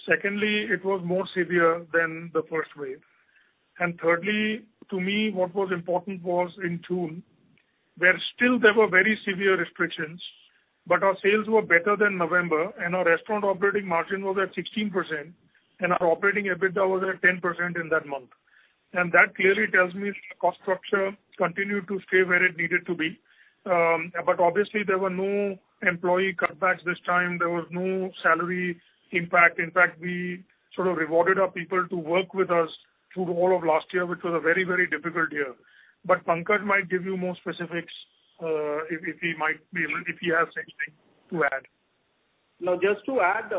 Secondly, it was more severe than the 1st wave. Thirdly, to me, what was important was in June, where still there were very severe restrictions, but our sales were better than November, and our restaurant operating margin was at 16%, and our operating EBITDA was at 10% in that month. That clearly tells me cost structure continued to stay where it needed to be. Obviously there were no employee cutbacks this time. There was no salary impact. In fact, we sort of rewarded our people to work with us through all of last year, which was a very, very difficult year. Pankaj might give you more specifics, if he has anything to add. No, just to add,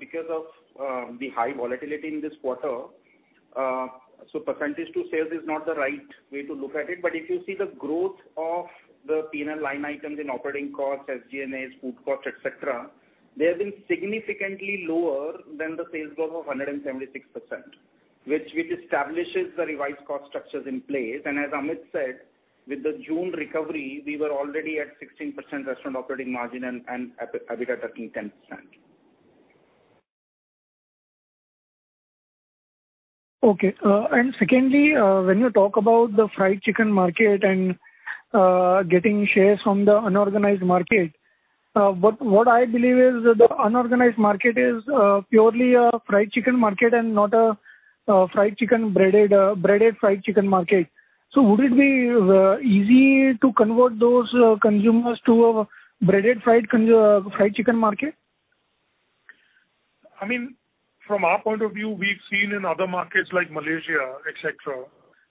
because of the high volatility in this quarter, percentage to sales is not the right way to look at it. If you see the growth of the P&L line items in operating costs, SG&A, food costs, et cetera, they have been significantly lower than the sales growth of 176%, which establishes the revised cost structures in place. As Amit said, with the June recovery, we were already at 16% restaurant operating margin and EBITDA turning 10%. Okay. Secondly, when you talk about the fried chicken market and getting shares from the unorganized market. What I believe is the unorganized market is purely a fried chicken market and not a breaded fried chicken market. Would it be easy to convert those consumers to a breaded fried chicken market? From our point of view, we've seen in other markets like Malaysia, et cetera,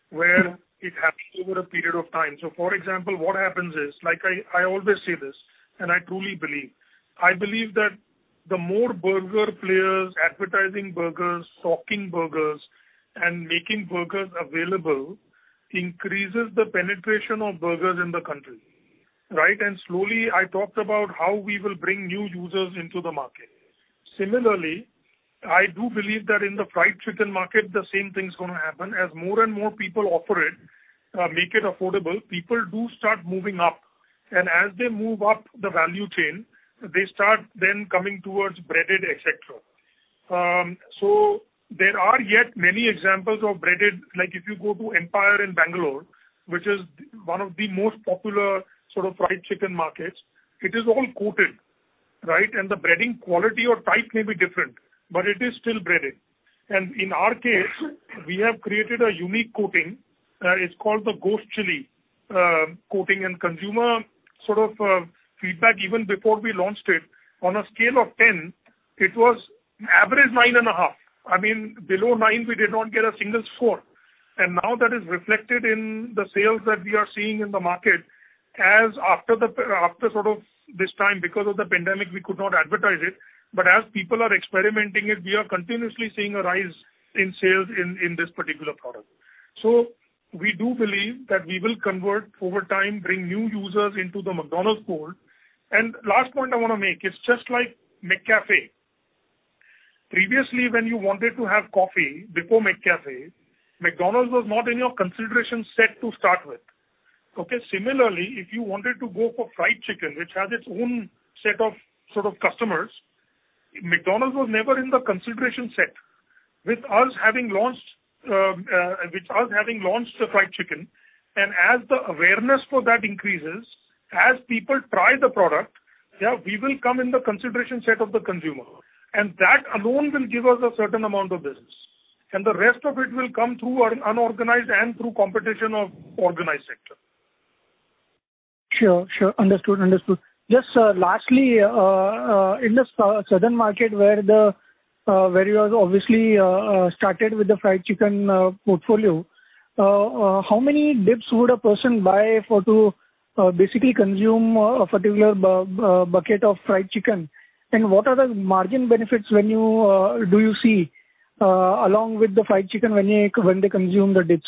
where it happens over a period of time. For example, what happens is, I always say this, and I truly believe. I believe that the more burger players advertising burgers, talking burgers, and making burgers available increases the penetration of burgers in the country. Right. Slowly I talked about how we will bring new users into the market. Similarly, I do believe that in the fried chicken market, the same thing is going to happen as more and more people offer it, make it affordable, people do start moving up. As they move up the value chain, they start then coming towards breaded, et cetera. There are yet many examples of breaded. Like if you go to Empire in Bangalore, which is one of the most popular sort of fried chicken markets, it is all coated, right? The breading quality or type may be different, but it is still breaded. In our case, we have created a unique coating. It's called the Ghost Chili coating. Consumer sort of feedback, even before we launched it, on a scale of 10, it was average 9.5. I mean, below nine, we did not get a single score. Now that is reflected in the sales that we are seeing in the market as after sort of this time, because of the pandemic, we could not advertise it, but as people are experimenting it, we are continuously seeing a rise in sales in this particular product. We do believe that we will convert over time, bring new users into the McDonald's fold. Last point I want to make is just like McCafé. Previously when you wanted to have coffee, before McCafé, McDonald's was not in your consideration set to start with. Okay? Similarly, if you wanted to go for fried chicken, which has its own set of sort of customers, McDonald's was never in the consideration set. With us having launched the fried chicken, and as the awareness for that increases, as people try the product, yeah, we will come in the consideration set of the consumer. That alone will give us a certain amount of business, and the rest of it will come through unorganized and through competition of organized sector. Sure. Understood. Just lastly, in the southern market where you guys obviously started with the fried chicken portfolio, how many dips would a person buy for to basically consume a particular bucket of fried chicken? What are the margin benefits do you see, along with the fried chicken when they consume the dips?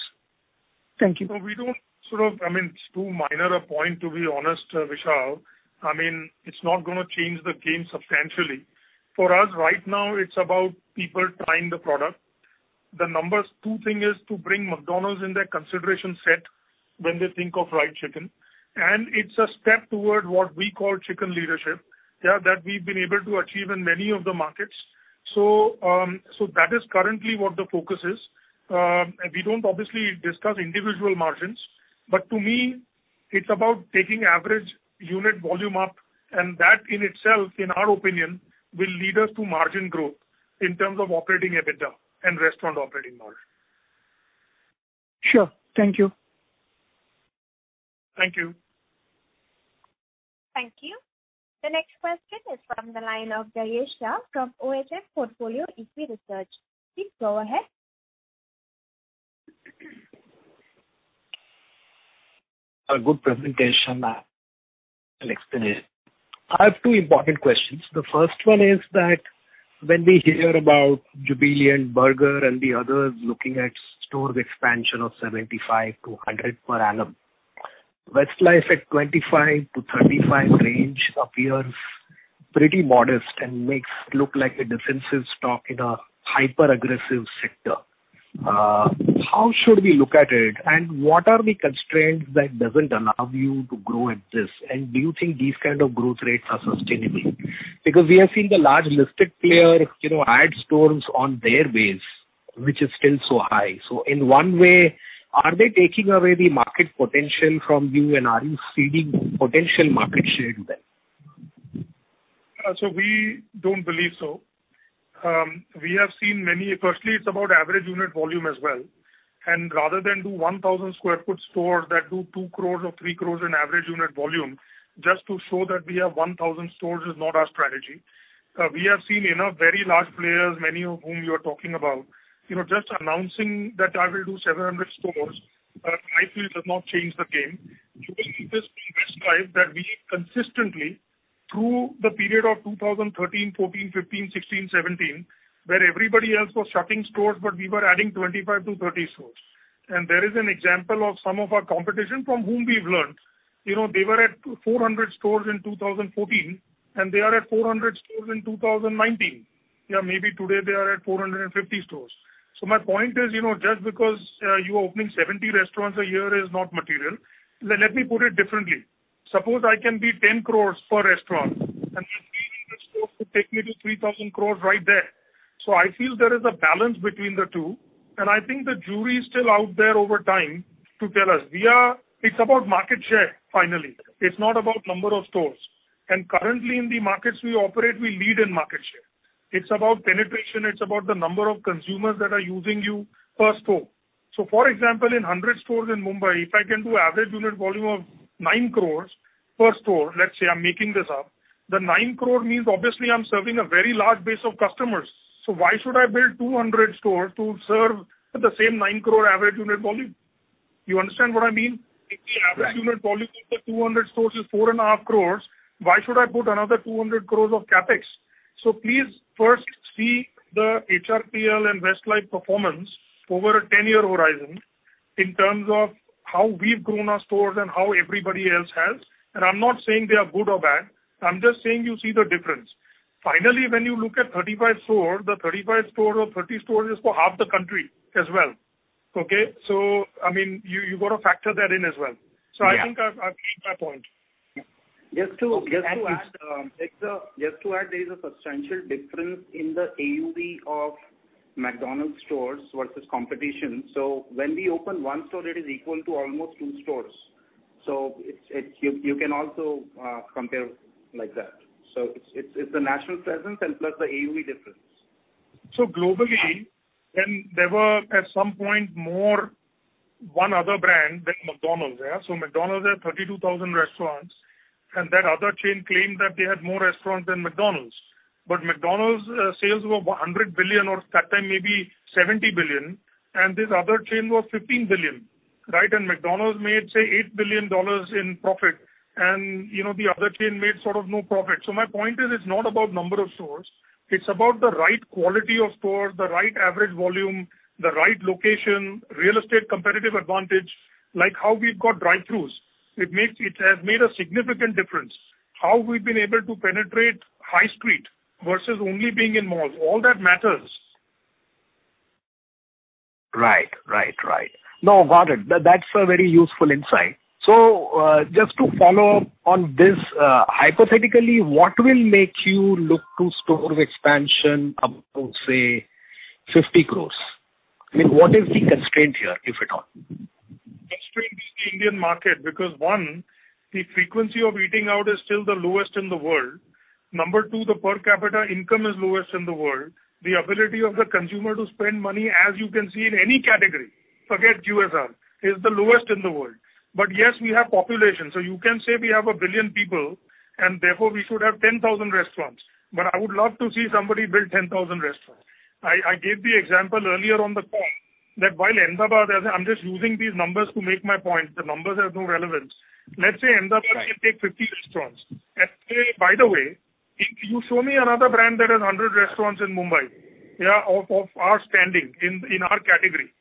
Thank you. We don't I mean, it's too minor a point to be honest, Vishal. It's not going to change the game substantially. For us right now, it's about people trying the product. The number two thing is to bring McDonald's in their consideration set when they think of fried chicken. It's a step toward what we call chicken leadership that we've been able to achieve in many of the markets. That is currently what the focus is. We don't obviously discuss individual margins, but to me, it's about taking average unit volume up, and that in itself, in our opinion, will lead us to margin growth in terms of operating EBITDA and restaurant operating margin. Sure. Thank you. Thank you. Thank you. The next question is from the line of Jayesh Shah from OHM Portfolio, Equity Research. Please go ahead. A good presentation and explanation. I have two important questions. The first one is that when we hear about Jubilant FoodWorks and Burger King and the others looking at store expansion of 75 to 100 per annum, Westlife at 25 to 35 range appears pretty modest and makes it look like a defensive stock in a hyper-aggressive sector. What are the constraints that doesn't allow you to grow at this? Do you think these kind of growth rates are sustainable? Because we have seen the large listed player add stores on their base, which is still so high. In one way, are they taking away the market potential from you, and are you ceding potential market share to them? We don't believe so. We have seen. Firstly, it's about average unit volume as well. Rather than do 1,000 square foot stores that do 2 crore or 3 crore in average unit volume, just to show that we have 1,000 stores is not our strategy. We have seen enough very large players, many of whom you are talking about. Just announcing that I will do 700 stores, I feel does not change the game. You will see this in Westlife that we consistently, through the period of 2013, 2014, 2015, 2016, 2017, where everybody else was shutting stores, but we were adding 25 to 30 stores. There is an example of some of our competition from whom we've learned. They were at 400 stores in 2014, and they are at 400 stores in 2019. Yeah, maybe today they are at 450 stores. My point is, just because you are opening 70 restaurants a year is not material. Let me put it differently. Suppose I can be 10 crores per restaurant, and opening restaurants could take me to 3,000 crores right there. I feel there is a balance between the two, and I think the jury is still out there over time to tell us. It's about market share, finally. It's not about number of stores. Currently in the markets we operate, we lead in market share. It's about penetration. It's about the number of consumers that are using you per store. For example, in 100 stores in Mumbai, if I can do average unit volume of 9 crore per store, let's say I'm making this up, the 9 crore means obviously I'm serving a very large base of customers. Why should I build 200 stores to serve the same 9 crore average unit volume? You understand what I mean? Right. If the average unit volume of the 200 stores is four and a half crores, why should I put another 200 crores of CapEx? Please first see the HRPL and Westlife performance over a 10-year horizon in terms of how we've grown our stores and how everybody else has. I'm not saying they are good or bad, I'm just saying you see the difference. When you look at 35 stores, the 35 stores or 30 stores is for half the country as well. Okay? You've got to factor that in as well. Yeah. I think I've made my point. Yeah. Just to add, there is a substantial difference in the AUV of McDonald's stores versus competition. When we open one store, it is equal to almost two stores. You can also compare like that. It's the national presence and plus the AUV difference. Globally, when there were at some point more one other brand than McDonald's. McDonald's had 32,000 restaurants, and that other chain claimed that they had more restaurants than McDonald's. McDonald's sales were 100 billion or at that time, maybe 70 billion, and this other chain was 15 billion. Right. McDonald's made, say, INR 8 billion in profit, and the other chain made sort of no profit. My point is, it's not about number of stores. It's about the right quality of stores, the right average volume, the right location, real estate competitive advantage, like how we've got drive-throughs. It has made a significant difference. How we've been able to penetrate High street versus only being in malls. All that matters. Right. No, got it. That's a very useful insight. Just to follow up on this, hypothetically, what will make you look to store expansion up to, say, 50 crores? What is the constraint here, if at all? Constraint is the Indian market. One, the frequency of eating out is still the lowest in the world. Two, the per capita income is lowest in the world. The ability of the consumer to spend money, as you can see in any category, forget USA, is the lowest in the world. Yes, we have population. You can say we have 1 billion people, and therefore we should have 10,000 restaurants. I would love to see somebody build 10,000 restaurants. I gave the example earlier on the call, that while Ahmedabad has. I'm just using these numbers to make my point. The numbers have no relevance. Right. It can take 50 restaurants. By the way, if you show me another brand that has 100 restaurants in Mumbai of our standing, in our category?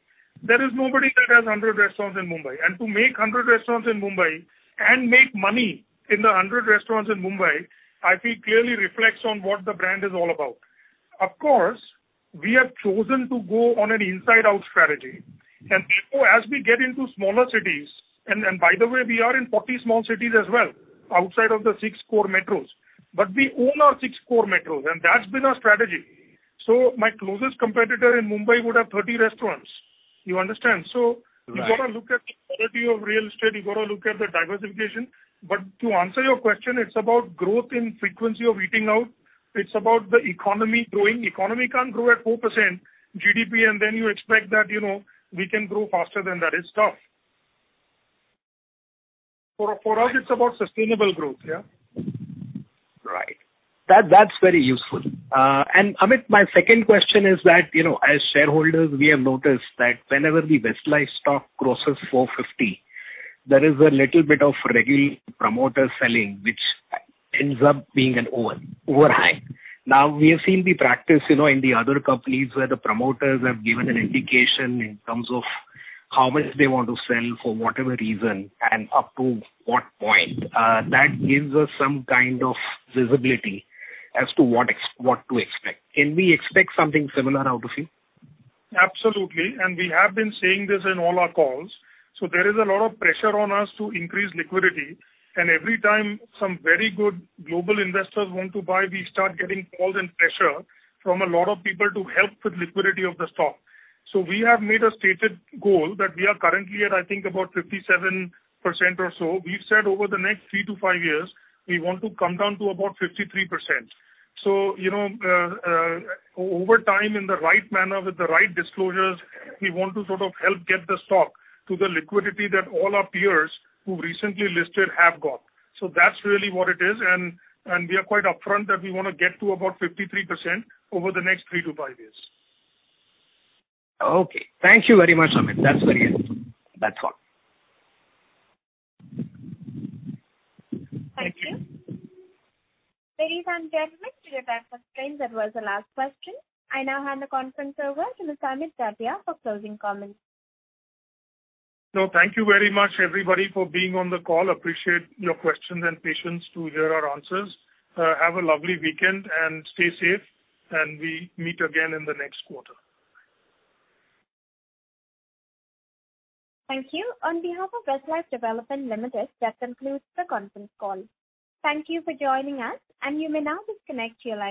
There is nobody that has 100 restaurants in Mumbai. To make 100 restaurants in Mumbai and make money in the 100 restaurants in Mumbai, I feel clearly reflects on what the brand is all about. Of course, we have chosen to go on an inside-out strategy. Therefore, as we get into smaller cities, and by the way, we are in 40 small cities as well, outside of the 6 core metros. We own our 6 core metros, and that's been our strategy. My closest competitor in Mumbai would have 30 restaurants. You understand? Right. You got to look at the quality of real estate. You got to look at the diversification. To answer your question, it's about growth in frequency of eating out. It's about the economy growing. Economy can't grow at 4% GDP, and then you expect that we can grow faster than that. It's tough. For us, it's about sustainable growth, yeah. Right. That's very useful. Amit, my second question is that, as shareholders, we have noticed that whenever the Westlife stock crosses 450, there is a little bit of regular promoter selling, which ends up being an overhang. Now, we have seen the practice in the other companies where the promoters have given an indication in terms of how much they want to sell, for whatever reason, and up to what point. That gives us some kind of visibility as to what to expect. Can we expect something similar out of you? Absolutely, we have been saying this in all our calls. There is a lot of pressure on us to increase liquidity. Every time some very good global investors want to buy, we start getting calls and pressure from a lot of people to help with liquidity of the stock. We have made a stated goal that we are currently at, I think, about 57% or so. We've said over the next three to five years, we want to come down to about 53%. Over time, in the right manner, with the right disclosures, we want to sort of help get the stock to the liquidity that all our peers who recently listed have got. That's really what it is, and we are quite upfront that we want to get to about 53% over the next three to five years. Okay. Thank you very much, Amit. That's very useful. That's all. Thank you. Ladies and gentlemen, due to time constraints, that was the last question. I now hand the conference over to Mr. Amit Jatia for closing comments. Thank you very much, everybody, for being on the call. Appreciate your questions and patience to hear our answers. Have a lovely weekend and stay safe. We meet again in the next quarter. Thank you. On behalf of Westlife Development Limited, that concludes the conference call. Thank you for joining us, and you may now disconnect your line.